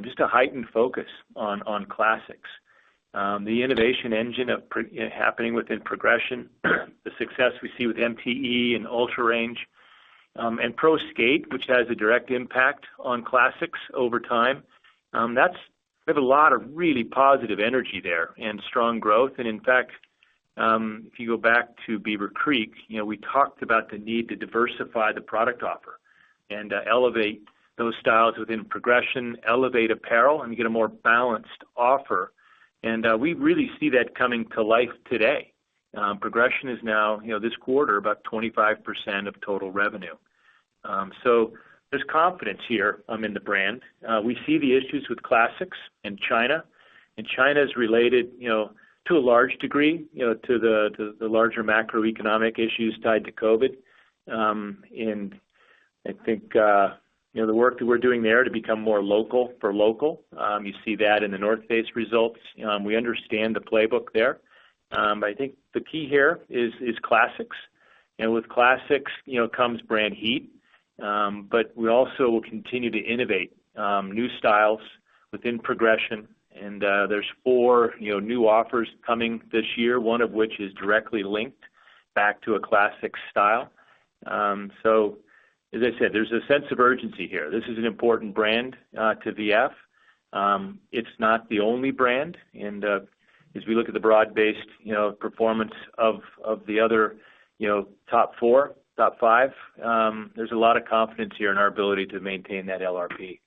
just a heightened focus on classics. The innovation engine happening within progression, the success we see with MTE and UltraRange, and Pro Skate, which has a direct impact on classics over time, that's. We have a lot of really positive energy there and strong growth. In fact, if you go back to Beaver Creek, you know, we talked about the need to diversify the product offer and elevate those styles within progression, elevate apparel and get a more balanced offer. We really see that coming to life today. Progression is now, you know, this quarter, about 25% of total revenue. There's confidence here in the brand. We see the issues with classics in China, and China is related, you know, to a large degree, you know, to the larger macroeconomic issues tied to COVID. I think you know, the work that we're doing there to become more local for local. You see that in The North Face results. We understand the playbook there. I think the key here is classics. With classics, you know, comes brand heat. We also will continue to innovate new styles within progression. There's four, you know, new offers coming this year, one of which is directly linked back to a classic style. As I said, there's a sense of urgency here. This is an important brand to VF. It's not the only brand. As we look at the broad-based, you know, performance of the other, you know, top four, top five, there's a lot of confidence here in our ability to maintain that LRP.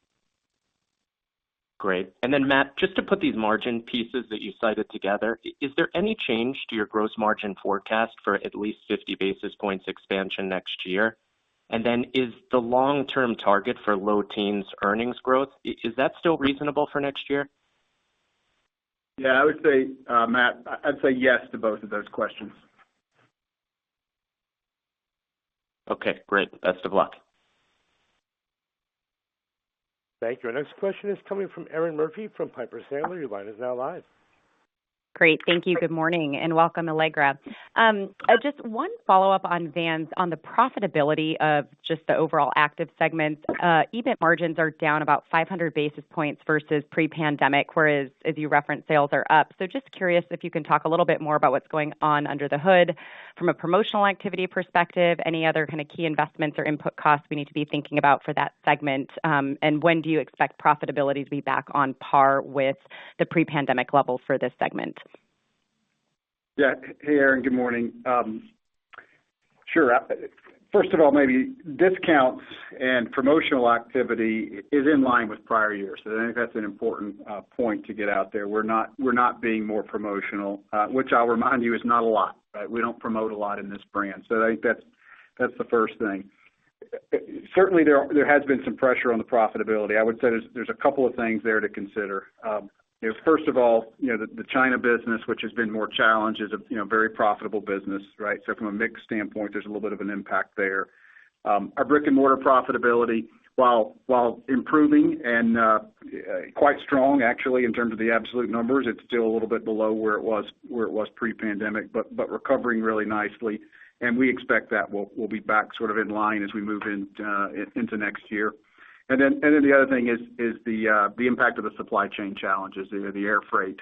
Great. Matt, just to put these margin pieces that you cited together, is there any change to your gross margin forecast for at least 50 basis points expansion next year? Is the long-term target for low teens% earnings growth still reasonable for next year? Yeah, I would say, Matt, I'd say yes to both of those questions. Okay, great. Best of luck. Thank you. Our next question is coming from Erinn Murphy from Piper Sandler. Your line is now live. Great. Thank you. Good morning, and welcome to Allegra. Just one follow-up on Vans on the profitability of just the overall active segments. EBIT margins are down about 500 basis points versus pre-pandemic, whereas as you referenced, sales are up. Just curious if you can talk a little bit more about what's going on under the hood from a promotional activity perspective, any other kind of key investments or input costs we need to be thinking about for that segment. When do you expect profitability to be back on par with the pre-pandemic level for this segment? Yeah. Hey, Erinn, good morning. Sure. First of all, maybe discounts and promotional activity is in line with prior years. I think that's an important point to get out there. We're not being more promotional, which I'll remind you is not a lot, right? We don't promote a lot in this brand. I think that's the first thing. Certainly there has been some pressure on the profitability. I would say there's a couple of things there to consider. You know, first of all, you know, the China business, which has been more challenged, is a you know very profitable business, right? From a mix standpoint, there's a little bit of an impact there. Our brick-and-mortar profitability, while improving and quite strong actually in terms of the absolute numbers, it's still a little bit below where it was pre-pandemic, but recovering really nicely. We expect that we'll be back sort of in line as we move into next year. The other thing is the impact of the supply chain challenges, you know, the air freight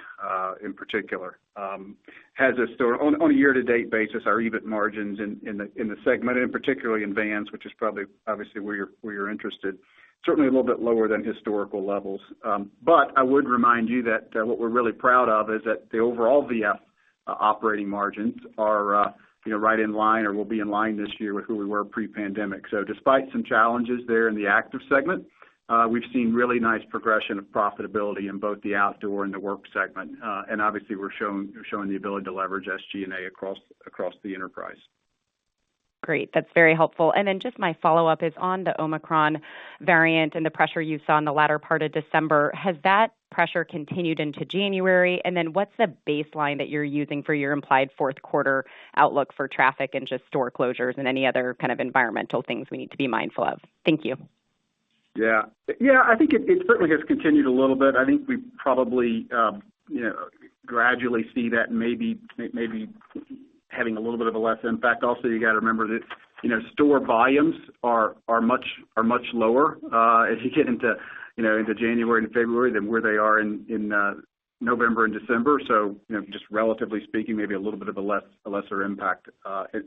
in particular. On a year-to-date basis, our EBIT margins in the segment, and particularly in Vans, which is probably obviously where you're interested, certainly a little bit lower than historical levels. I would remind you that what we're really proud of is that the overall VF operating margins are, you know, right in line or will be in line this year with who we were pre-pandemic. Despite some challenges there in the active segment, we've seen really nice progression of profitability in both the outdoor and the work segment. Obviously we're showing the ability to leverage SG&A across the enterprise. Great. That's very helpful. Just my follow-up is on the Omicron variant and the pressure you saw in the latter part of December, has that pressure continued into January? What's the baseline that you're using for your implied fourth quarter outlook for traffic and just store closures and any other kind of environmental things we need to be mindful of? Thank you. Yeah. Yeah, I think it certainly has continued a little bit. I think we probably, you know, gradually see that and maybe having a little bit of a less impact. Also, you gotta remember that, you know, store volumes are much lower as you get into, you know, into January and February than where they are in November and December. So, you know, just relatively speaking, maybe a little bit of a lesser impact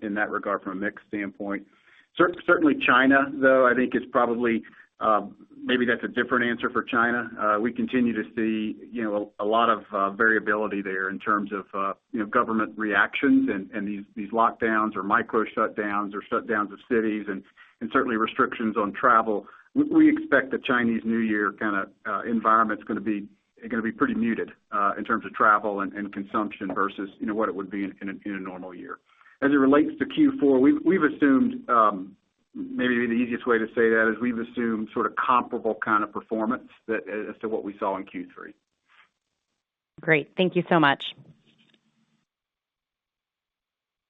in that regard from a mix standpoint. Certainly China, though, I think is probably maybe that's a different answer for China. We continue to see, you know, a lot of variability there in terms of, you know, government reactions and these lockdowns or micro shutdowns or shutdowns of cities and certainly restrictions on travel. We expect the Chinese New Year kind of environment's gonna be pretty muted in terms of travel and consumption versus, you know, what it would be in a normal year. As it relates to Q4, we've assumed maybe the easiest way to say that is we've assumed sort of comparable kind of performance to what we saw in Q3. Great. Thank you so much.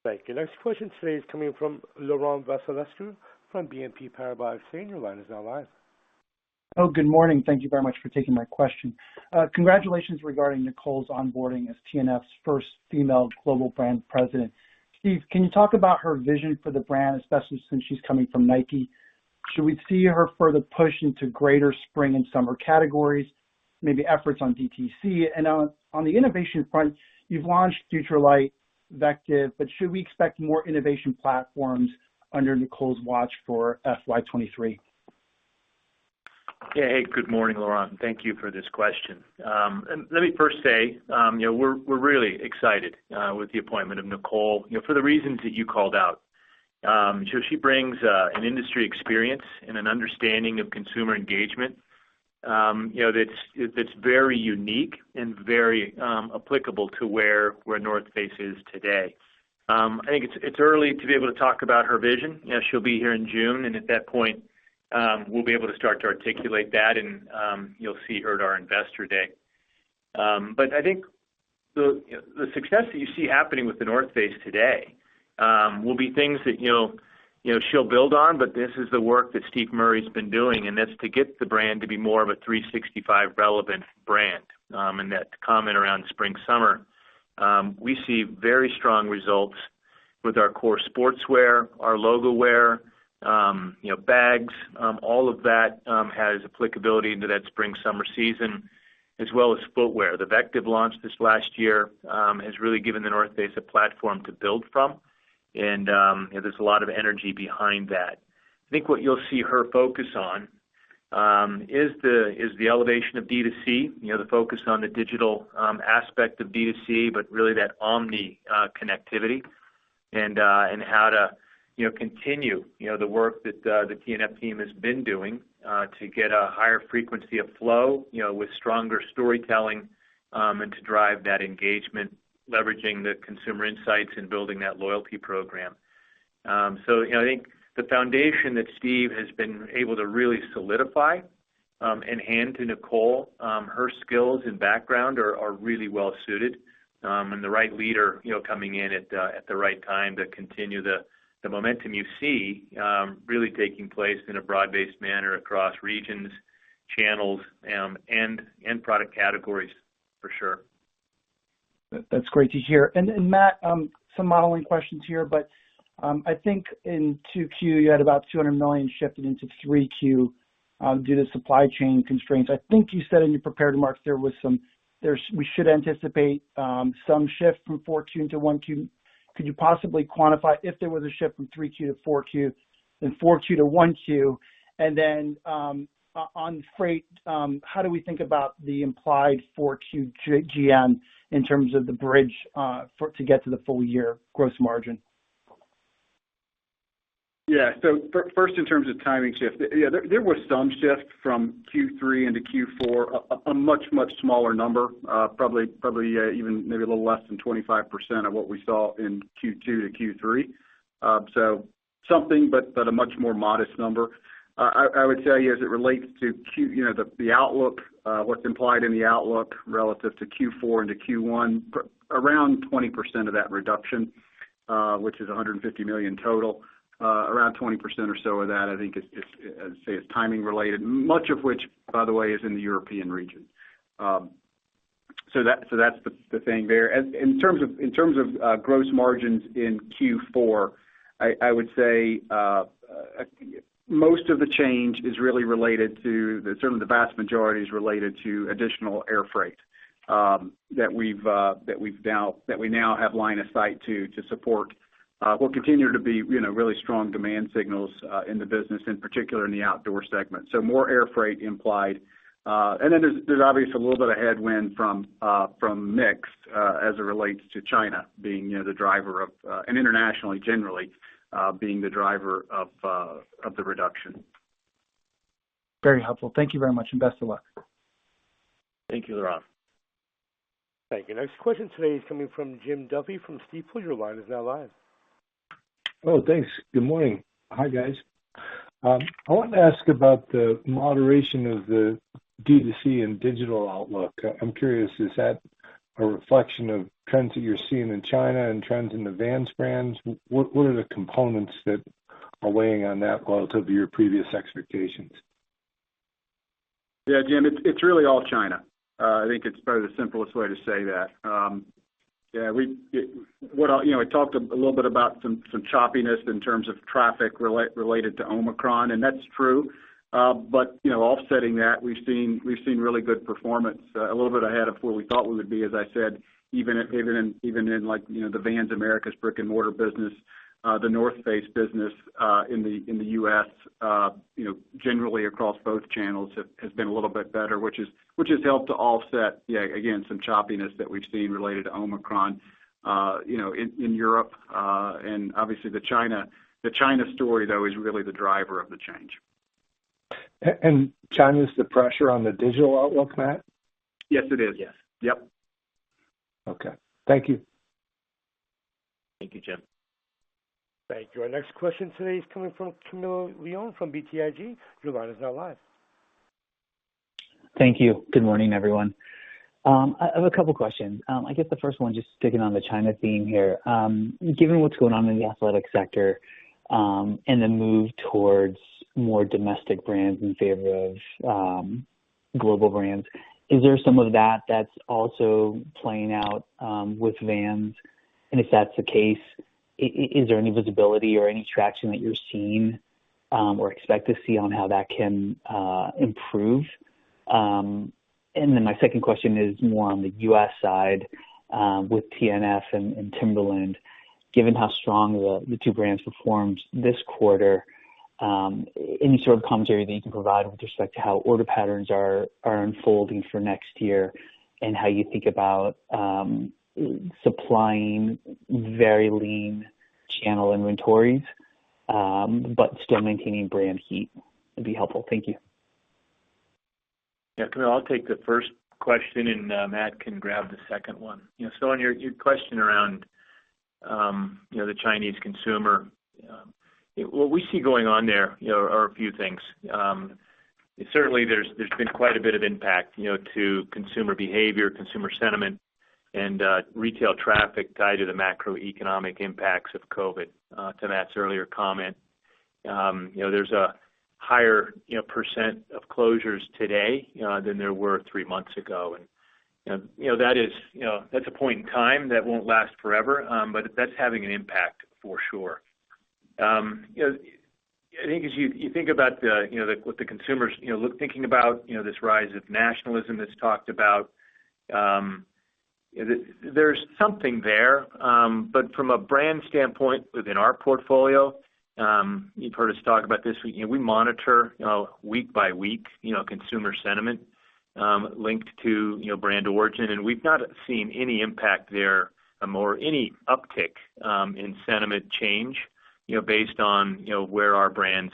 Thank you. Next question today is coming from Laurent Vasilescu from BNP Paribas. Sir, your line is now live. Good morning. Thank you very much for taking my question. Congratulations regarding Nicole's onboarding as TNF's first female Global Brand President. Steve, can you talk about her vision for the brand, especially since she's coming from Nike? Should we see her further push into greater spring and summer categories, maybe efforts on DTC? On the innovation front, you've launched FUTURELIGHT, VECTIV, but should we expect more innovation platforms under Nicole's watch for FY 2023? Yeah. Hey, good morning, Laurent, and thank you for this question. Let me first say, you know, we're really excited with the appointment of Nicole, you know, for the reasons that you called out. She brings an industry experience and an understanding of consumer engagement, you know, that's very unique and very applicable to where The North Face is today. I think it's early to be able to talk about her vision. You know, she'll be here in June, and at that point, we'll be able to start to articulate that and you'll see her at our Investor Day. I think the success that you see happening with The North Face today will be things that you know she'll build on, but this is the work that Steve Murray's been doing, and that's to get the brand to be more of a 365 relevant brand. That comment around spring, summer, we see very strong results with our core sportswear, our logo wear, you know, bags, all of that has applicability into that spring, summer season, as well as footwear. The VECTIV launch this last year has really given The North Face a platform to build from, and there's a lot of energy behind that. I think what you'll see her focus on is the elevation of D2C, you know, the focus on the digital aspect of D2C, but really that omni connectivity and how to continue the work that the TNF team has been doing to get a higher frequency of flow, you know, with stronger storytelling and to drive that engagement, leveraging the consumer insights and building that loyalty program. You know, I think the foundation that Steve has been able to really solidify and hand to Nicole, her skills and background are really well suited and the right leader, you know, coming in at the right time to continue the momentum you see really taking place in a broad-based manner across regions, channels, and product categories for sure. That's great to hear. Matt, some modeling questions here, but I think in 2Q, you had about $200 million shifted into 3Q due to supply chain constraints. I think you said in your prepared remarks there was some. We should anticipate some shift from 4Q into 1Q. Could you possibly quantify if there was a shift from 3Q to 4Q, then 4Q to 1Q? On freight, how do we think about the implied 4Q GM in terms of the bridge to get to the full year gross margin? Yeah. First, in terms of timing shift, yeah, there was some shift from Q3 into Q4, a much smaller number, probably even maybe a little less than 25% of what we saw in Q2 to Q3. So something, but a much more modest number. I would tell you as it relates to Q1. You know, the outlook, what's implied in the outlook relative to Q4 into Q1, around 20% of that reduction, which is $150 million total, around 20% or so of that, I think is, I'd say, timing related, much of which, by the way, is in the European region. So that's the thing there. In terms of gross margins in Q4, I would say most of the change is really related. Certainly, the vast majority is related to additional air freight that we now have line of sight to support. Will continue to be, you know, really strong demand signals in the business, in particular in the outdoor segment. More air freight implied. There's obviously a little bit of headwind from mix as it relates to China being, you know, the driver of and internationally generally being the driver of the reduction. Very helpful. Thank you very much, and best of luck. Thank you, Laurent. Thank you. Next question today is coming from Jim Duffy from Stifel. Your line is now live. Oh, thanks. Good morning. Hi, guys. I wanted to ask about the moderation of the D2C and digital outlook. I'm curious, is that a reflection of trends that you're seeing in China and trends in the Vans brands? What are the components that are weighing on that relative to your previous expectations? Yeah, Jim, it's really all China. I think it's probably the simplest way to say that. You know, I talked a little bit about some choppiness in terms of traffic related to Omicron, and that's true. You know, offsetting that, we've seen really good performance, a little bit ahead of where we thought we would be, as I said, even in like, you know, the Vans Americas brick-and-mortar business. The North Face business in the U.S., you know, generally across both channels has been a little bit better, which has helped to offset, yeah, again, some choppiness that we've seen related to Omicron, you know, in Europe. Obviously the China story, though, is really the driver of the change. China's the pressure on the digital outlook, Matt? Yes, it is. Yes. Yep. Okay. Thank you. Thank you, Jim. Thank you. Our next question today is coming from Camilo Lyon from BTIG. Your line is now live. Thank you. Good morning, everyone. I have a couple questions. I guess the first one, just sticking on the China theme here. Given what's going on in the athletic sector, and the move towards more domestic brands in favor of, global brands, is there some of that that's also playing out, with Vans? And if that's the case, is there any visibility or any traction that you're seeing, or expect to see on how that can, improve? And then my second question is more on the U.S. side, with TNF and Timberland. Given how strong the two brands performed this quarter, any sort of commentary that you can provide with respect to how order patterns are unfolding for next year and how you think about supplying very lean channel inventories, but still maintaining brand heat would be helpful. Thank you. Yeah. Camilo, I'll take the first question and Matt can grab the second one. You know, so on your question around the Chinese consumer, what we see going on there are a few things. Certainly there's been quite a bit of impact to consumer behavior, consumer sentiment and retail traffic tied to the macroeconomic impacts of COVID, to Matt's earlier comment. You know, there's a higher percent of closures today than there were three months ago. You know, that's a point in time that won't last forever, but that's having an impact for sure. You know, I think as you think about what the consumers look... Thinking about, you know, this rise of nationalism that's talked about, there's something there. From a brand standpoint within our portfolio, you've heard us talk about this. We, you know, monitor, you know, week by week, you know, consumer sentiment linked to, you know, brand origin, and we've not seen any impact there or any uptick in sentiment change, you know, based on, you know, where our brands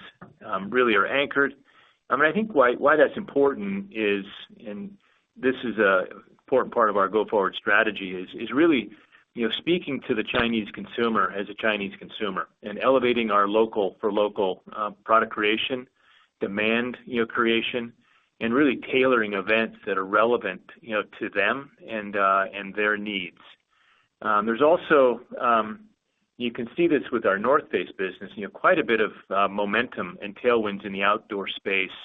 really are anchored. I mean, I think why that's important is, and this is a important part of our go-forward strategy, is really, you know, speaking to the Chinese consumer as a Chinese consumer and elevating our local for local product creation, demand, you know, creation, and really tailoring events that are relevant, you know, to them and their needs. There's also You can see this with our The North Face business, you know, quite a bit of momentum and tailwinds in the outdoor space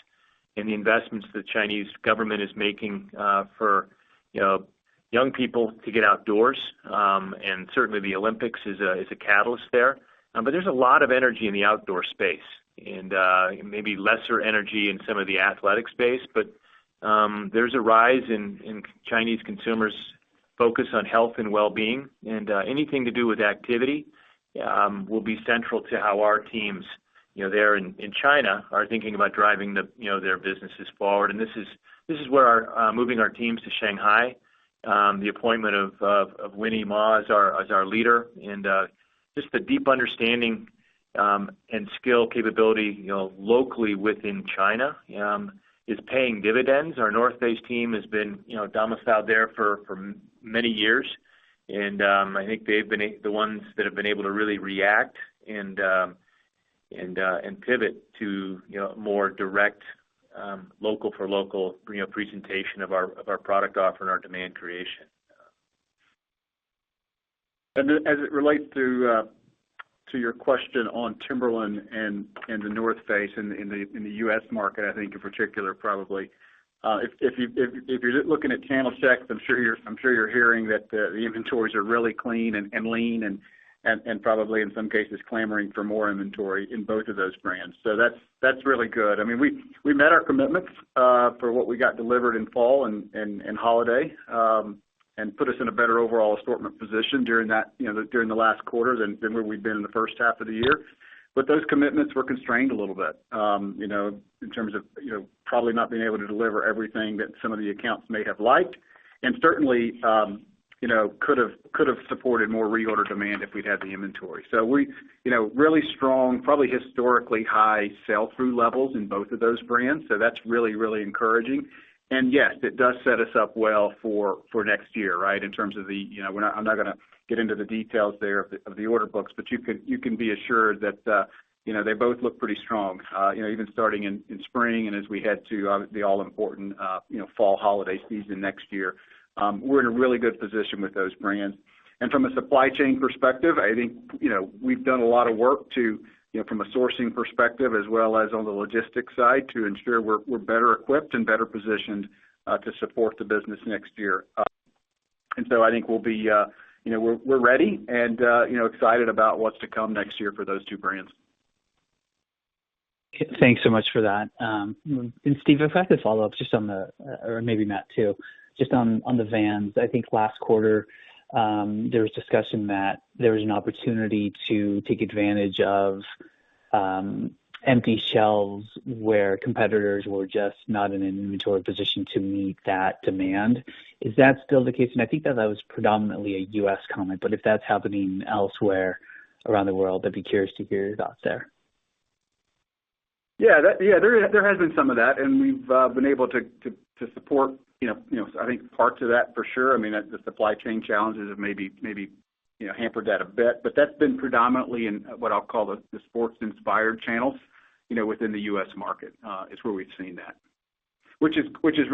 and the investments the Chinese government is making for, you know, young people to get outdoors. Certainly the Olympics is a catalyst there. There's a lot of energy in the outdoor space and maybe lesser energy in some of the athletic space. There's a rise in Chinese consumers' focus on health and wellbeing, and anything to do with activity will be central to how our teams, you know, there in China are thinking about driving the, you know, their businesses forward. This is where our moving our teams to Shanghai, the appointment of Winnie Ma as our leader, and just the deep understanding and skill capability, you know, locally within China is paying dividends. Our North Face team has been domiciled there for many years, and I think they've been the ones that have been able to really react and pivot to, you know, more direct local for local, you know, presentation of our product offer and our demand creation. As it relates to your question on Timberland and The North Face in the U.S. market, I think in particular probably if you're looking at channel checks, I'm sure you're hearing that the inventories are really clean and lean and probably in some cases clamoring for more inventory in both of those brands. That's really good. I mean, we met our commitments for what we got delivered in fall and holiday and put us in a better overall assortment position during that, you know, during the last quarter than where we've been in the first half of the year. Those commitments were constrained a little bit, you know, in terms of, you know, probably not being able to deliver everything that some of the accounts may have liked. Certainly, you know, could have supported more reorder demand if we'd had the inventory. You know, really strong, probably historically high sell-through levels in both of those brands. That's really, really encouraging. Yes, it does set us up well for next year, right? In terms of the, you know, I'm not gonna get into the details there of the order books, but you can be assured that, you know, they both look pretty strong, you know, even starting in spring and as we head to the all-important, you know, fall holiday season next year. We're in a really good position with those brands. From a supply chain perspective, I think, you know, we've done a lot of work to, you know, from a sourcing perspective as well as on the logistics side, to ensure we're better equipped and better positioned to support the business next year. I think we'll be, you know, we're ready and, you know, excited about what's to come next year for those two brands. Thanks so much for that. Steve, if I could follow up just on the Vans. Or maybe Matt too, just on the Vans. I think last quarter there was discussion that there was an opportunity to take advantage of empty shelves where competitors were just not in an inventory position to meet that demand. Is that still the case? I think that was predominantly a U.S. comment, but if that's happening elsewhere around the world, I'd be curious to hear your thoughts there. Yeah, that, there has been some of that, and we've been able to support, you know, I think part of that for sure. I mean, the supply chain challenges have maybe, you know, hampered that a bit. But that's been predominantly in what I'll call the sports inspired channels, you know, within the U.S. market is where we've seen that. Which is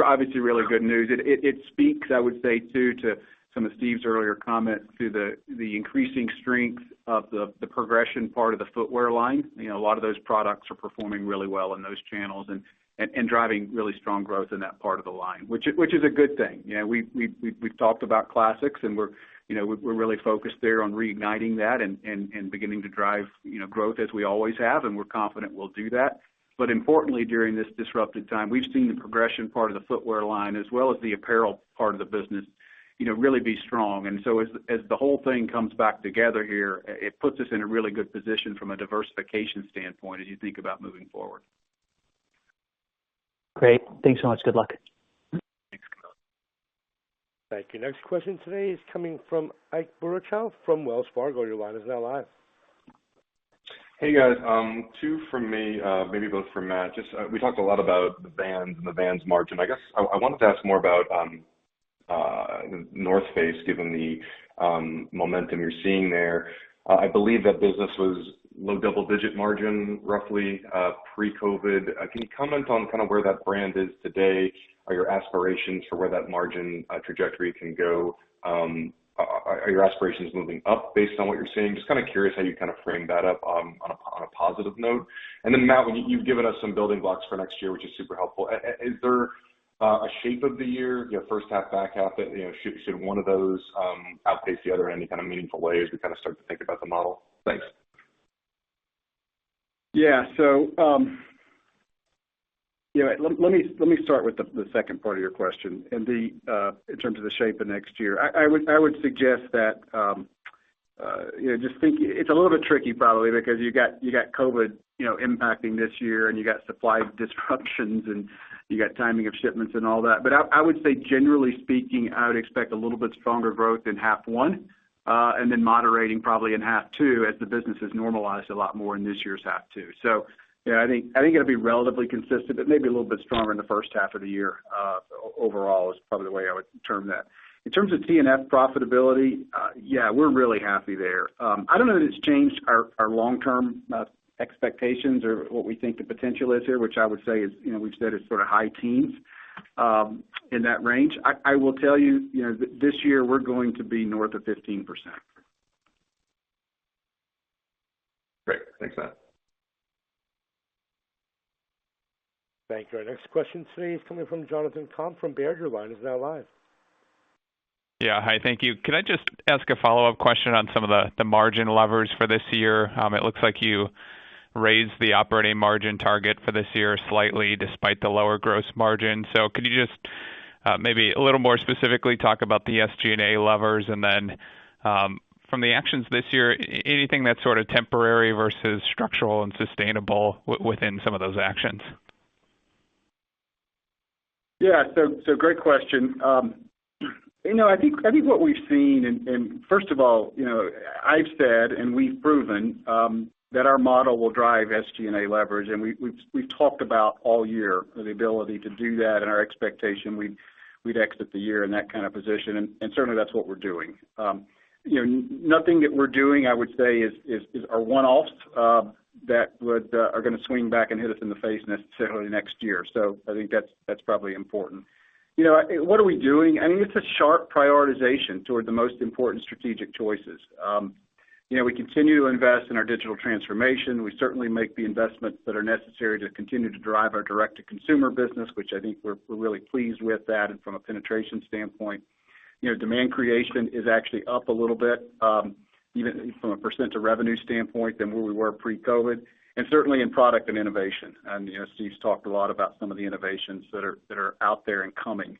obviously really good news. It speaks, I would say too, to some of Steve's earlier comments to the increasing strength of the progression part of the footwear line. You know, a lot of those products are performing really well in those channels and driving really strong growth in that part of the line, which is a good thing. You know, we've talked about classics and we're, you know, we're really focused there on reigniting that and beginning to drive, you know, growth as we always have, and we're confident we'll do that. Importantly, during this disrupted time, we've seen the progression part of the footwear line as well as the apparel part of the business, you know, really be strong. As the whole thing comes back together here, it puts us in a really good position from a diversification standpoint as you think about moving forward. Great. Thanks so much. Good luck. Thanks. Thank you. Next question today is coming from Ike Boruchow from Wells Fargo. Your line is now live. Hey, guys. Two from me, maybe both for Matt. Just, we talked a lot about the Vans and the Vans margin. I guess I wanted to ask more about The North Face, given the momentum you're seeing there. I believe that business was low double-digit margin, roughly, pre-COVID. Can you comment on kind of where that brand is today? Are your aspirations for where that margin trajectory can go, are your aspirations moving up based on what you're seeing? Just kind of curious how you kind of frame that up, on a positive note. Then Matt, when you've given us some building blocks for next year, which is super helpful. Is there a shape of the year, you know, first half, back half that, you know, should one of those outpace the other in any kind of meaningful way as we kind of start to think about the model? Thanks. Yeah, yeah, let me start with the second part of your question in terms of the shape of next year. I would suggest that you know, just think it's a little bit tricky probably because you got COVID you know, impacting this year and you got supply disruptions and you got timing of shipments and all that. I would say generally speaking, I would expect a little bit stronger growth in half one and then moderating probably in half two as the business has normalized a lot more in this year's half two. Yeah, I think it'll be relatively consistent, but maybe a little bit stronger in the first half of the year overall is probably the way I would term that. In terms of TNF profitability, yeah, we're really happy there. I don't know that it's changed our long-term expectations or what we think the potential is here, which I would say is, you know, we've said is sort of high teens in that range. I will tell you know, this year we're going to be north of 15%. Great. Thanks, Matt. Thank you. Our next question today is coming from Jonathan Komp from Baird. Your line is now live. Yeah. Hi, thank you. Can I just ask a follow-up question on some of the margin levers for this year? It looks like you raised the operating margin target for this year slightly despite the lower gross margin. Could you just maybe a little more specifically talk about the SG&A levers and then from the actions this year, anything that's sort of temporary versus structural and sustainable within some of those actions? Yeah. Great question. You know, I think what we've seen and first of all, you know, I've said and we've proven that our model will drive SG&A leverage. We've talked about all year the ability to do that and our expectation, we'd exit the year in that kind of position. Certainly that's what we're doing. You know, nothing that we're doing I would say are one-offs that are gonna swing back and hit us in the face necessarily next year. I think that's probably important. You know, what are we doing? I think it's a sharp prioritization toward the most important strategic choices. You know, we continue to invest in our digital transformation. We certainly make the investments that are necessary to continue to drive our direct to consumer business, which I think we're really pleased with that and from a penetration standpoint. You know, demand creation is actually up a little bit. Even from a percent to revenue standpoint than where we were pre-COVID, and certainly in product and innovation. You know, Steve's talked a lot about some of the innovations that are out there and coming.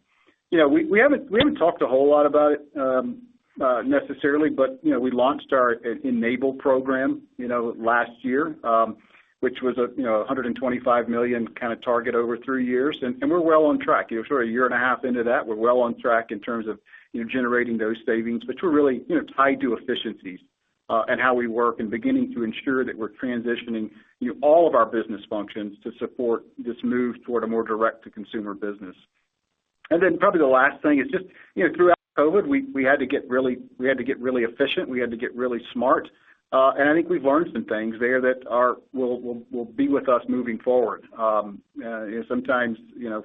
We haven't talked a whole lot about it necessarily, but you know, we launched our ENABLE program last year, which was a $125 million kind of target over three years, and we're well on track. You know, sort of a year and a half into that, we're well on track in terms of, you know, generating those savings. We're really, you know, tied to efficiencies, and how we work and beginning to ensure that we're transitioning, you know, all of our business functions to support this move toward a more direct-to-consumer business. Probably the last thing is just, you know, throughout COVID, we had to get really efficient, we had to get really smart. I think we've learned some things there that will be with us moving forward. You know, sometimes, you know,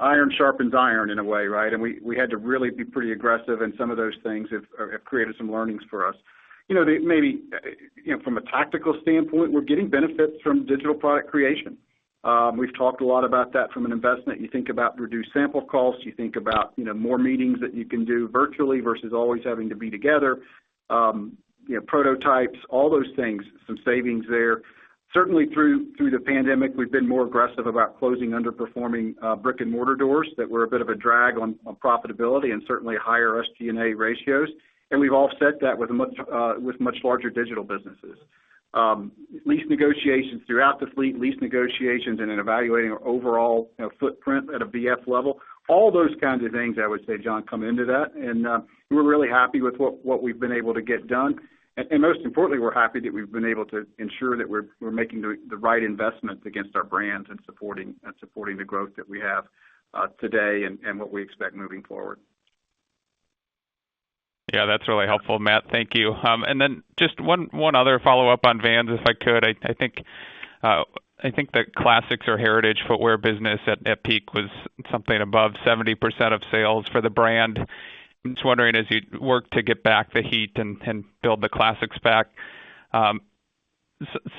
iron sharpens iron in a way, right? We had to really be pretty aggressive, and some of those things have created some learnings for us. You know, maybe from a tactical standpoint, we're getting benefits from digital product creation. We've talked a lot about that from an investment. You think about reduced sample costs, you think about, you know, more meetings that you can do virtually versus always having to be together. You know, prototypes, all those things, some savings there. Certainly through the pandemic, we've been more aggressive about closing underperforming brick-and-mortar doors that were a bit of a drag on profitability and certainly higher SG&A ratios. We've offset that with much larger digital businesses, lease negotiations throughout the fleet and in evaluating our overall footprint at a VF level. All those kinds of things, I would say, Jon, come into that. We're really happy with what we've been able to get done. Most importantly, we're happy that we've been able to ensure that we're making the right investments against our brands and supporting the growth that we have today and what we expect moving forward. Yeah, that's really helpful, Matt. Thank you. Then just one other follow-up on Vans, if I could. I think the classics or heritage footwear business at peak was something above 70% of sales for the brand. Just wondering, as you work to get back the heat and build the classics back, some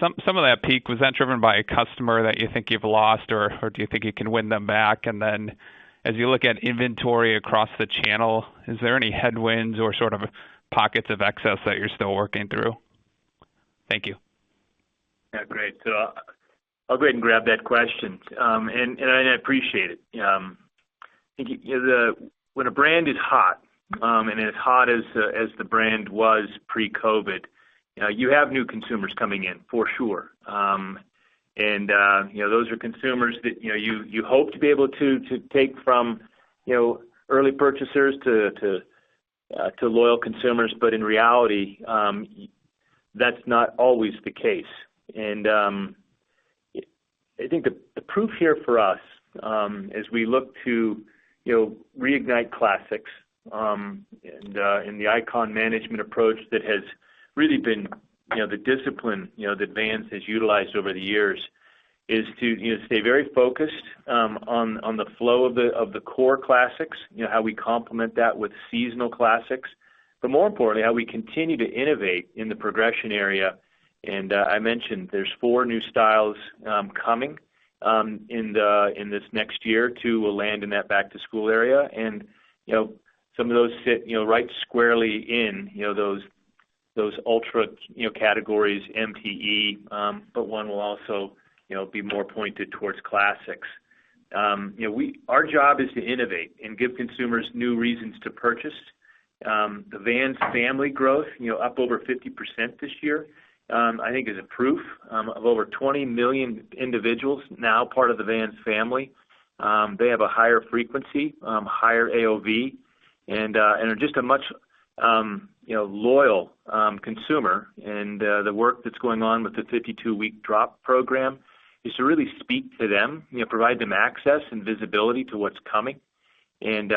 of that peak, was that driven by a customer that you think you've lost, or do you think you can win them back? As you look at inventory across the channel, is there any headwinds or sort of pockets of excess that you're still working through? Thank you. Yeah. Great. I'll go ahead and grab that question. I appreciate it. I think when a brand is hot, and as hot as the brand was pre-COVID, you have new consumers coming in for sure. You know, those are consumers that you know you hope to be able to take from early purchasers to loyal consumers. In reality, that's not always the case. I think the proof here for us, as we look to, you know, reignite classics and the iconic management approach that has really been, you know, the discipline, you know, that Vans has utilized over the years, is to, you know, stay very focused on the flow of the core classics, you know, how we complement that with seasonal classics. But more importantly, how we continue to innovate in the progression area. I mentioned there's four new styles coming in this next year. Two will land in that back-to-school area. Some of those sit, you know, right squarely in, you know, those Ultra categories MTE. But one will also, you know, be more pointed towards classics. You know, our job is to innovate and give consumers new reasons to purchase. The Vans Family growth, you know, up over 50% this year, I think is a proof of over 20 million individuals now part of the Vans Family. They have a higher frequency, higher AOV, and are just a much, you know, loyal consumer. The work that's going on with the 52-week drop program is to really speak to them, you know, provide them access and visibility to what's coming, and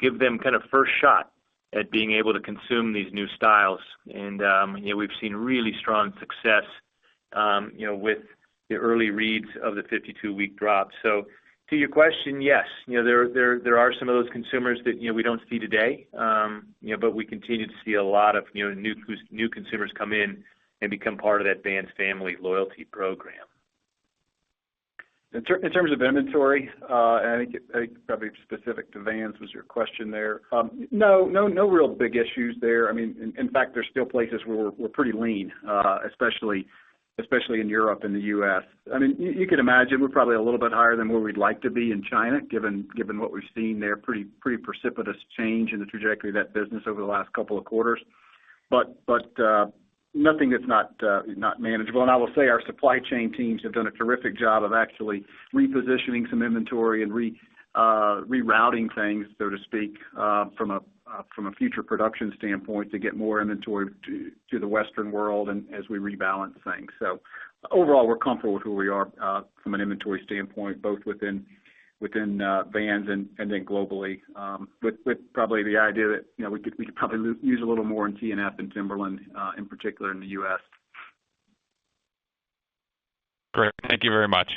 give them kind of first shot at being able to consume these new styles. You know, we've seen really strong success, you know, with the early reads of the 52-week drop. To your question, yes, you know, there are some of those consumers that, you know, we don't see today. You know, we continue to see a lot of, you know, new consumers come in and become part of that Vans Family loyalty program. In terms of inventory, and I think probably specific to Vans was your question there. No real big issues there. I mean, in fact, there's still places where we're pretty lean, especially in Europe and the U.S. I mean, you can imagine we're probably a little bit higher than where we'd like to be in China, given what we've seen there. Pretty precipitous change in the trajectory of that business over the last couple of quarters. Nothing that's not manageable. I will say our supply chain teams have done a terrific job of actually repositioning some inventory and rerouting things, so to speak, from a future production standpoint to get more inventory to the Western world and as we rebalance things. Overall, we're comfortable with where we are from an inventory standpoint, both within Vans and then globally with probably the idea that, you know, we could probably use a little more in TNF and Timberland, in particular in the U.S. Great. Thank you very much.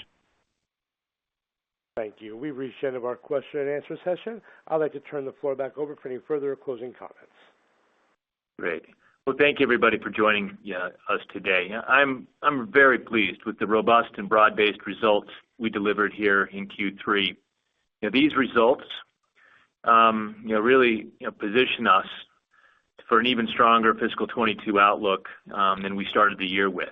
Thank you. We've reached the end of our question and answer session. I'd like to turn the floor back over for any further closing comments. Great. Well, thank you everybody for joining us today. I'm very pleased with the robust and broad-based results we delivered here in Q3. These results, you know, really, you know, position us for an even stronger fiscal 2022 outlook than we started the year with.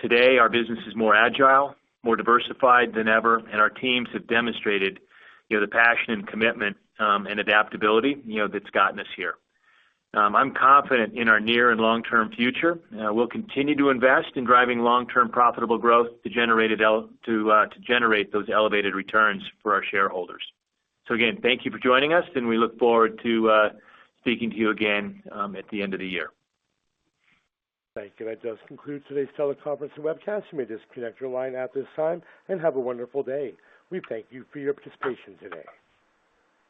Today our business is more agile, more diversified than ever, and our teams have demonstrated, you know, the passion and commitment and adaptability, you know, that's gotten us here. I'm confident in our near and long-term future. We'll continue to invest in driving long-term profitable growth to generate those elevated returns for our shareholders. Again, thank you for joining us, and we look forward to speaking to you again at the end of the year. Thank you. That does conclude today's teleconference and webcast. You may disconnect your line at this time, and have a wonderful day. We thank you for your participation today.